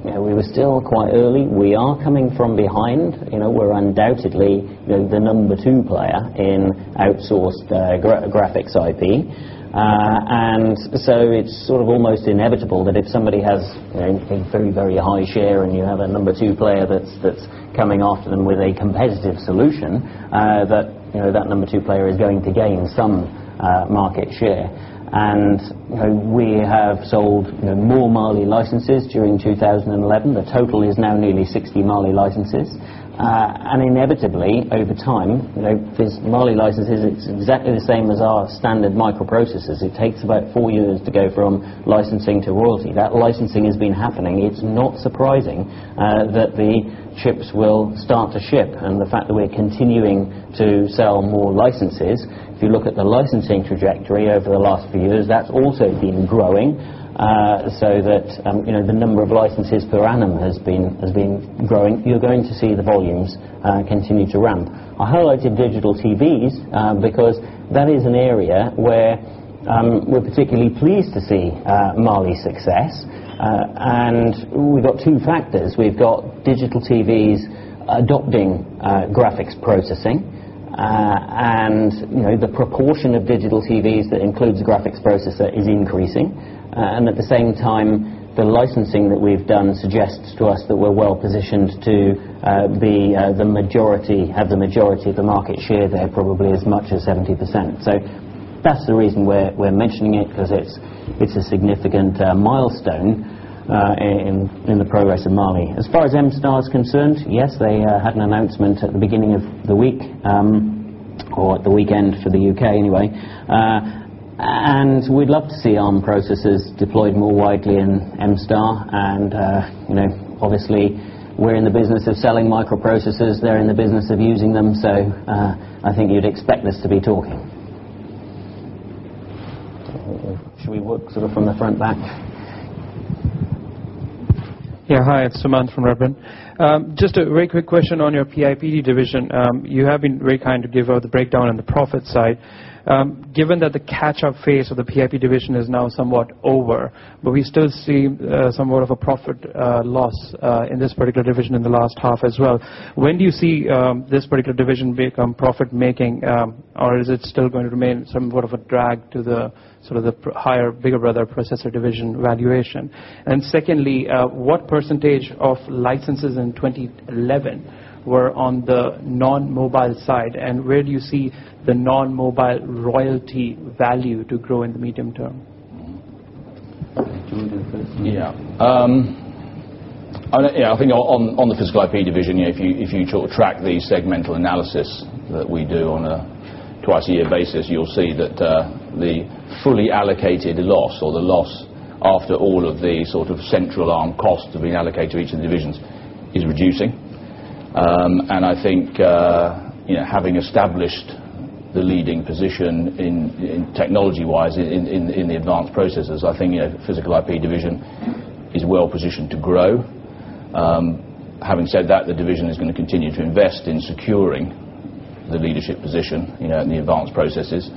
we were still quite early. We are coming from behind. We're undoubtedly the number two player in outsourced graphics IP, and it's sort of almost inevitable that if somebody has a very, very high share and you have a number two player that's coming after them with a competitive solution, that number two player is going to gain some market share. We have sold more Mali licenses during 2011. The total is now nearly 60 Mali licenses. Inevitably, over time, these Mali licenses, it's exactly the same as our standard microprocessors. It takes about four years to go from licensing to royalty. That licensing has been happening. It's not surprising that the chips will start to ship and the fact that we're continuing to sell more licenses. If you look at the licensing trajectory over the last few years, that's also been growing. The number of licenses per annum has been growing. You're going to see the volumes continue to ramp. I highlighted digital TVs because that is an area where we're particularly pleased to see Mali's success. We've got two factors. We've got digital TVs adopting graphics processing, and the proportion of digital TVs that includes a graphics processor is increasing. At the same time, the licensing that we've done suggests to us that we're well positioned to have the majority of the market share there, probably as much as 70%. That's the reason we're mentioning it because it's a significant milestone in the progress of Mali. As far as MStar is concerned, yes, they had an announcement at the beginning of the week or at the weekend for the U.K. anyway. We'd love to see Arm processors deployed more widely in MStar. Obviously, we're in the business of selling microprocessors. They're in the business of using them. I think you'd expect us to be talking. Should we work sort of from the front back? Yeah, hi, it's Sam from Redburn Atlantic. Just a very quick question on your physical IP division. You have been very kind to give out the breakdown on the profit side. Given that the catch-up phase of the physical IP division is now somewhat over, but we still see somewhat of a profit loss in this particular division in the last half as well, when do you see this particular division become profit-making or is it still going to remain somewhat of a drag to the sort of the higher, bigger, brother processor division valuation? Secondly, what % of licenses in 2011 were on the non-mobile side and where do you see the non-mobile royalty value to grow in the medium term? Okay, June the 13th. Yeah. I think on the physical IP division, if you sort of track the segmental analysis that we do on a twice-a-year basis, you'll see that the fully allocated loss or the loss after all of the sort of central Arm costs have been allocated to each of the divisions is reducing. I think having established the leading position in technology-wise in the advanced processors, the physical IP division is well positioned to grow. Having said that, the division is going to continue to invest in securing the leadership position in the advanced processors.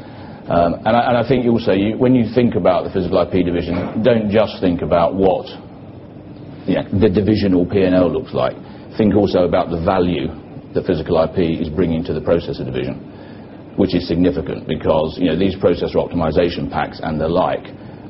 I think also, when you think about the physical IP division, don't just think about what the division or P&L looks like. Think also about the value the physical IP is bringing to the processor division, which is significant because these processor optimization packs and the like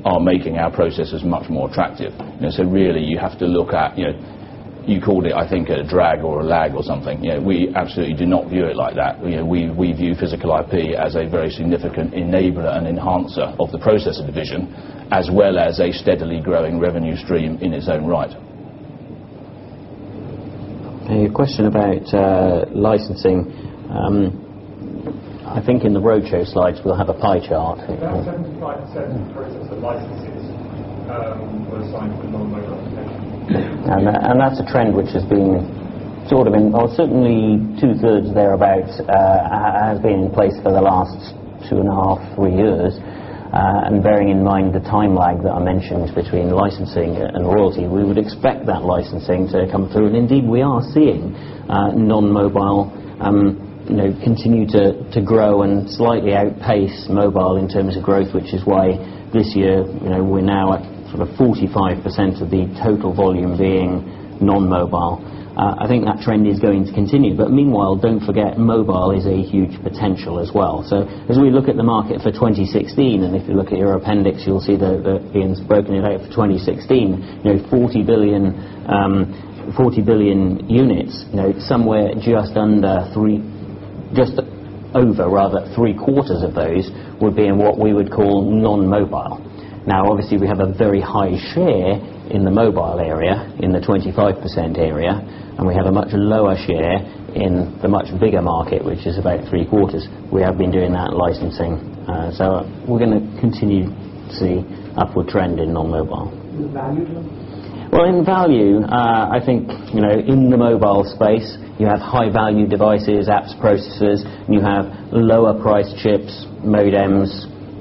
are making our processors much more attractive. You have to look at, you called it, I think, a drag or a lag or something. We absolutely do not view it like that. We view physical IP as a very significant enabler and enhancer of the processor division, as well as a steadily growing revenue stream in its own right. A question about licensing. I think in the roadshow slides, we'll have a pie chart. That's a trend which has been sort of in, or certainly two-thirds thereabout has been in place for the last two and a half, three years. Bearing in mind the time lag that I mentioned between licensing and royalty, we would expect that licensing to come through. Indeed, we are seeing non-mobile continue to grow and slightly outpace mobile in terms of growth, which is why this year, we're now at sort of 45% of the total volume being non-mobile. I think that trend is going to continue. Meanwhile, don't forget mobile is a huge potential as well. As we look at the market for 2016, and if you look at your appendix, you'll see that Ian's broken it out for 2016, 40 billion units, somewhere just under three, just over rather three-quarters of those would be in what we would call non-mobile. Obviously, we have a very high share in the mobile area, in the 25% area, and we have a much lower share in the much bigger market, which is about three-quarters. We have been doing that licensing. We're going to continue to see an upward trend in non-mobile. In value, though? In value, I think in the mobile space, you have high-value devices, apps, processors. You have lower-priced chips, modems,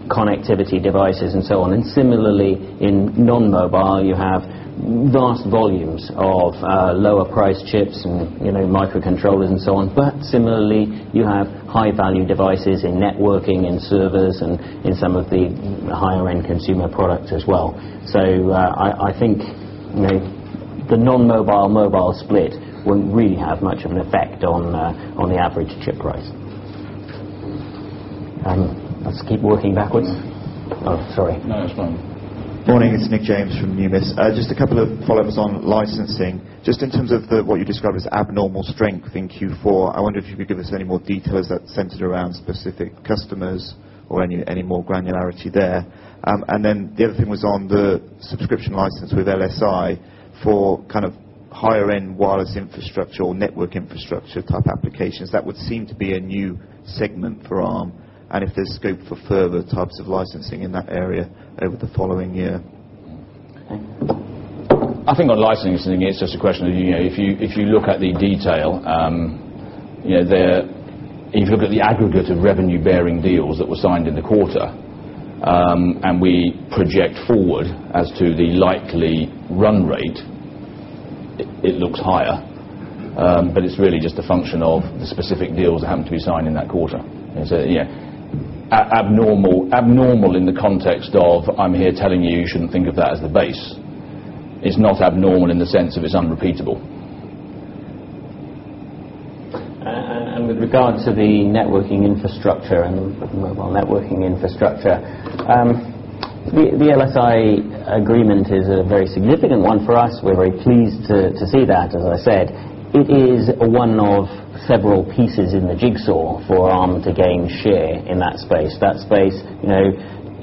connectivity devices, and so on. Similarly, in non-mobile, you have vast volumes of lower-priced chips and microcontrollers and so on. Similarly, you have high-value devices in networking and servers and in some of the higher-end consumer products as well. I think the non-mobile-mobile split won't really have much of an effect on the average chip price. Let's keep working backward. Oh, sorry. No, that's fine. Morning, it's Nick James from NIMUS. Just a couple of follow-ups on licensing. Just in terms of what you described as abnormal strength in Q4, I wonder if you could give us any more details that centered around specific customers or any more granularity there. The other thing was on the subscription license with LSI for kind of higher-end wireless infrastructure or network infrastructure type applications. That would seem to be a new segment for Arm Holdings. If there's scope for further types of licensing in that area over the following year. I think on licensing, it's just a question of if you look at the detail, if you look at the aggregate of revenue-bearing deals that were signed in the quarter, and we project forward as to the likely run rate, it looks higher. It's really just a function of the specific deals that happen to be signed in that quarter. Abnormal in the context of I'm here telling you you shouldn't think of that as the base. It's not abnormal in the sense of it's unrepeatable. With regard to the networking infrastructure and mobile networking infrastructure, the LSI agreement is a very significant one for us. We're very pleased to see that, as I said. It is one of several pieces in the jigsaw for Arm Holdings to gain share in that space. That space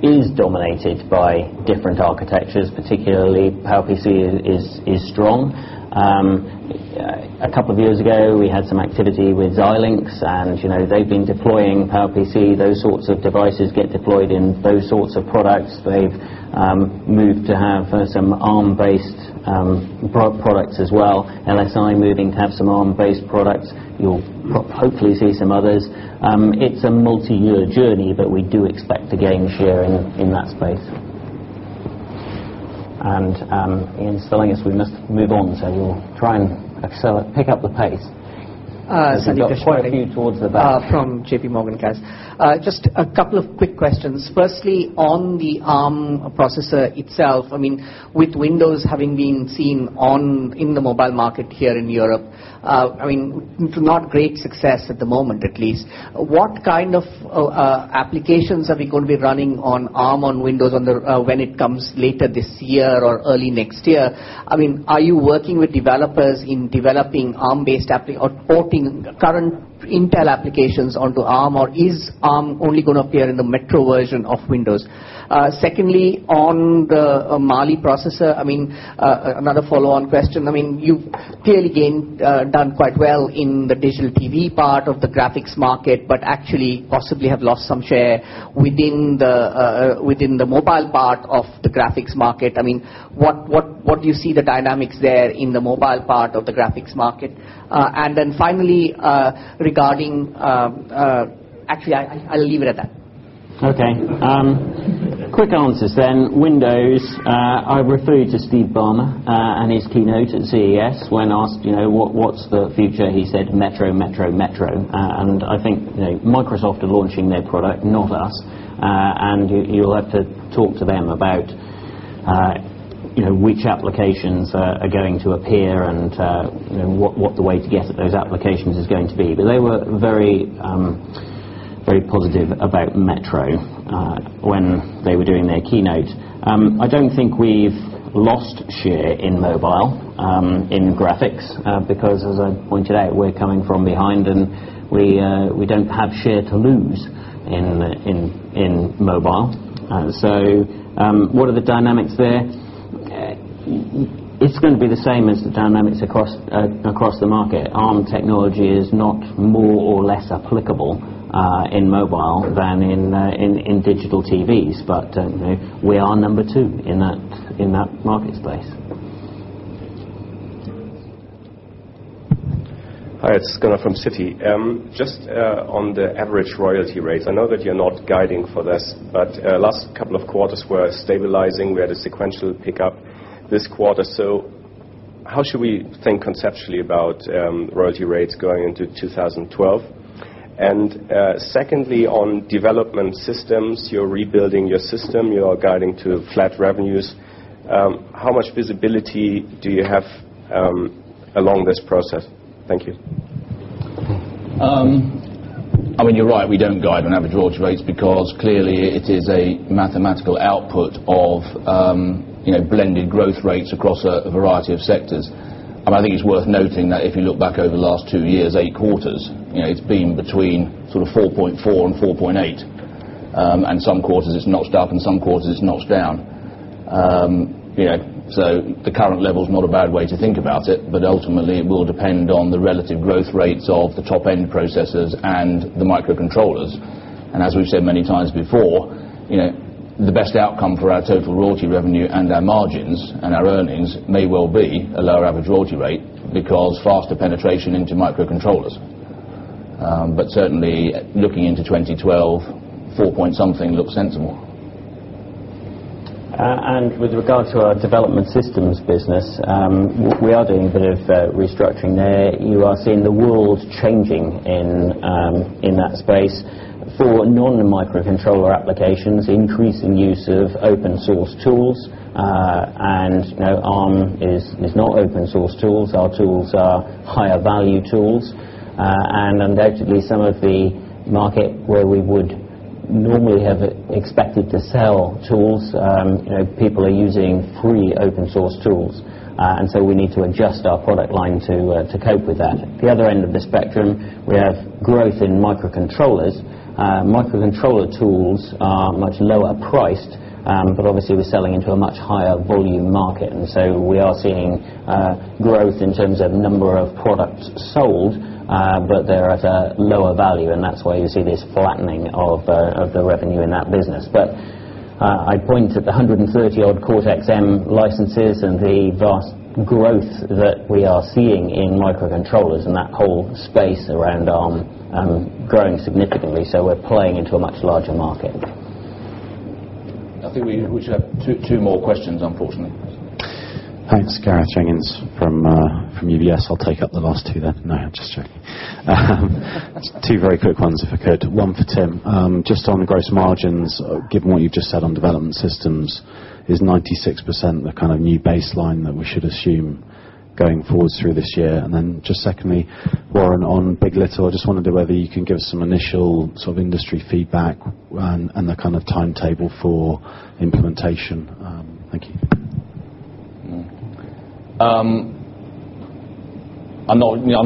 is dominated by different architectures, particularly PowerPC is strong. A couple of years ago, we had some activity with Xilinx, and they've been deploying PowerPC. Those sorts of devices get deployed in those sorts of products. They've moved to have some Arm-based products as well. LSI moving to have some Arm-based products. You'll hopefully see some others. It's a multi-year journey, but we do expect to gain share in that space. Ian's telling us we must move on. We'll try and pick up the pace. I see there's a question from JPMorgan Chase, guys. Just a couple of quick questions. Firstly, on the Arm processor itself, with Windows having been seen in the mobile market here in Europe, to not great success at the moment, at least, what kind of applications are we going to be running on Arm, on Windows, when it comes later this year or early next year? Are you working with developers in developing Arm-based current Intel applications onto Arm, or is Arm only going to appear in the Metro version of Windows? Secondly, on the Mali graphics processor, another follow-on question. You've clearly done quite well in the digital TV part of the graphics market, but actually possibly have lost some share within the mobile part of the graphics market. What do you see the dynamics there in the mobile part of the graphics market? Finally, actually, I'll leave it at that. Okay. Quick answers then. Windows, I referred to Steve Ballmer and his keynote at CES. When asked, you know, what's the future, he said, "Metro, Metro, Metro." I think Microsoft are launching their product, and you'll have to talk to them about which applications are going to appear and what the way to get those applications is going to be. They were very, very positive about Metro when they were doing their keynotes. I don't think we've lost share in mobile in graphics because, as I pointed out, we're coming from behind and we don't have share to lose in mobile. What are the dynamics there? It's going to be the same as the dynamics across the market. Arm technology is not more or less applicable in mobile than in digital TVs, but we are number two in that market space. Hi, it's Gunnar from Citi. Just on the average royalty rates, I know that you're not guiding for this, but last couple of quarters were stabilizing. We had a sequential pickup this quarter. How should we think conceptually about royalty rates going into 2012? Secondly, on development systems, you're rebuilding your system, you are guiding to flat revenues. How much visibility do you have along this process? Thank you. I mean, you're right. We don't guide on average royalty rates because clearly it is a mathematical output of blended growth rates across a variety of sectors. I think it's worth noting that if you look back over the last two years, eight quarters, it's been between sort of 4.4 and 4.8. In some quarters it's notched up and in some quarters it's notched down. The current level is not a bad way to think about it, but ultimately, it will depend on the relative growth rates of the top-end processors and the microcontrollers. As we've said many times before, the best outcome for our total royalty revenue and our margins and our earnings may well be a lower average royalty rate because faster penetration into microcontrollers. Certainly, looking into 2012, four point something looks sensible. With regard to our development systems business, we are doing a bit of restructuring there. You are seeing the world changing in that space for non-microcontroller applications, increasing use of open-source tools. Arm is not open-source tools. Our tools are higher-value tools. Undoubtedly, some of the market where we would normally have expected to sell tools, people are using free open-source tools. We need to adjust our product line to cope with that. At the other end of the spectrum, we have growth in microcontrollers. Microcontroller tools are much lower priced, but obviously, we're selling into a much higher volume market. We are seeing growth in terms of number of products sold, but they're at a lower value. That is why you see this flattening of the revenue in that business. I pointed at the 130-odd Cortex M licenses and the vast growth that we are seeing in microcontrollers and that whole space around Arm growing significantly. We are playing into a much larger market. I think we should have two more questions, unfortunately. Thanks. Gareth Jenkins from UBS. I'll take up the last two then. No, I'm just checking. Two very quick ones if I could. One for Tim. Just on the gross margins, given what you've just said on development systems, is 96% the kind of new baseline that we should assume going forward through this year? Then just secondly, Warren on Big.LITTLE, I just wondered whether you can give us some initial sort of industry feedback and the kind of timetable for implementation. Thank you. I'm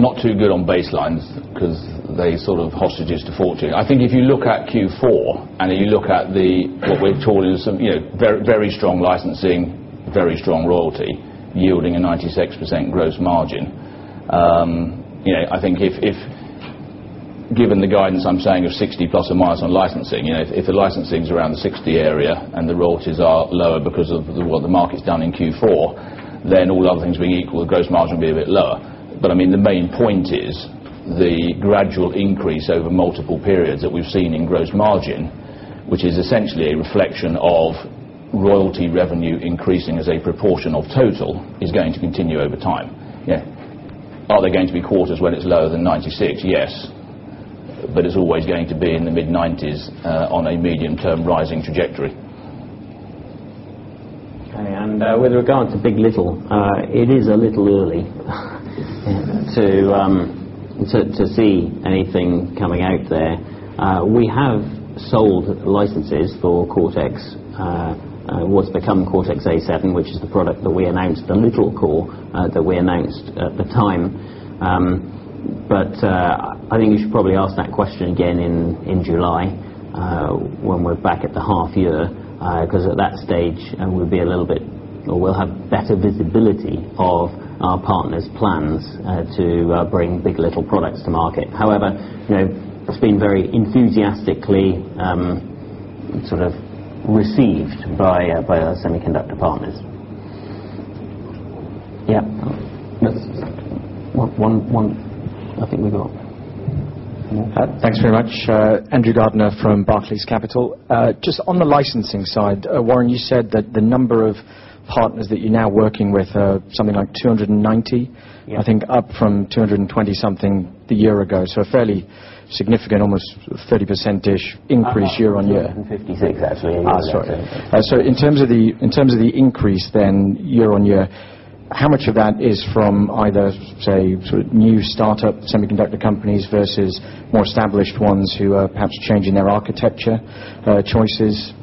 not too good on baselines because they sort of hostage us to it. If you look at Q4 and you look at what we've told you is some very, very strong licensing, very strong royalty yielding a 96% gross margin. I think if, given the guidance I'm saying of 60± on licensing, if the licensing is around the 60 area and the royalties are lower because of what the market's done in Q4, then all other things being equal, the gross margin will be a bit lower. The main point is the gradual increase over multiple periods that we've seen in gross margin, which is essentially a reflection of royalty revenue increasing as a proportion of total, is going to continue over time. Are there going to be quarters when it's lower than 96%? Yes. It's always going to be in the mid-90s on a medium-term rising trajectory. With regard to Big.LITTLE, it is a little early to see anything coming out there. We have sold licenses for Cortex, what's become Cortex-A7, which is the product that we announced, the little core that we announced at the time. I think you should probably ask that question again in July when we're back at the half year, because at that stage we'll be a little bit, or we'll have better visibility of our partners' plans to bring Big.LITTLE products to market. However, it's been very enthusiastically sort of received by semiconductor partners. Yeah. Yes, I think we got more. Thanks very much. Andrew Gardiner from Barclays Capital. Just on the licensing side, Warren, you said that the number of partners that you're now working with are something like 290, I think up from 220 something the year ago. A fairly significant, almost 30% increase year-on-year. 256, actually. In terms of the increase then year-on-year, how much of that is from either, say, sort of new startup semiconductor companies versus more established ones who are perhaps changing their architecture choices?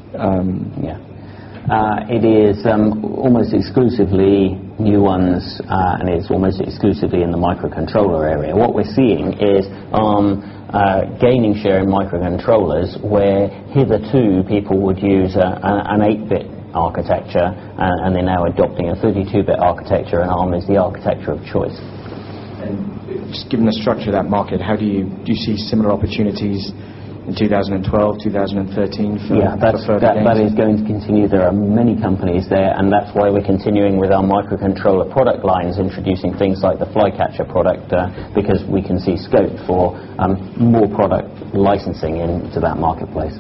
It is almost exclusively new ones, and it's almost exclusively in the microcontroller area. What we're seeing is Arm gaining share in microcontrollers where hitherto people would use an 8-bit architecture, and they're now adopting a 32-bit architecture, and Arm is the architecture of choice. Just given the structure of that market, do you see similar opportunities in 2012, 2013 for further? Yeah, that is going to continue. There are many companies there, and that's why we're continuing with our microcontroller product lines, introducing things like the Flycatcher product, because we can see scope for more product licensing into that marketplace.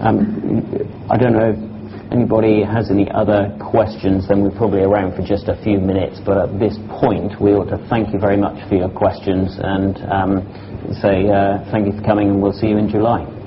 I don't know if anybody has any other questions. We're probably around for just a few minutes, but at this point, we ought to thank you very much for your questions and say thank you for coming, and we'll see you in July.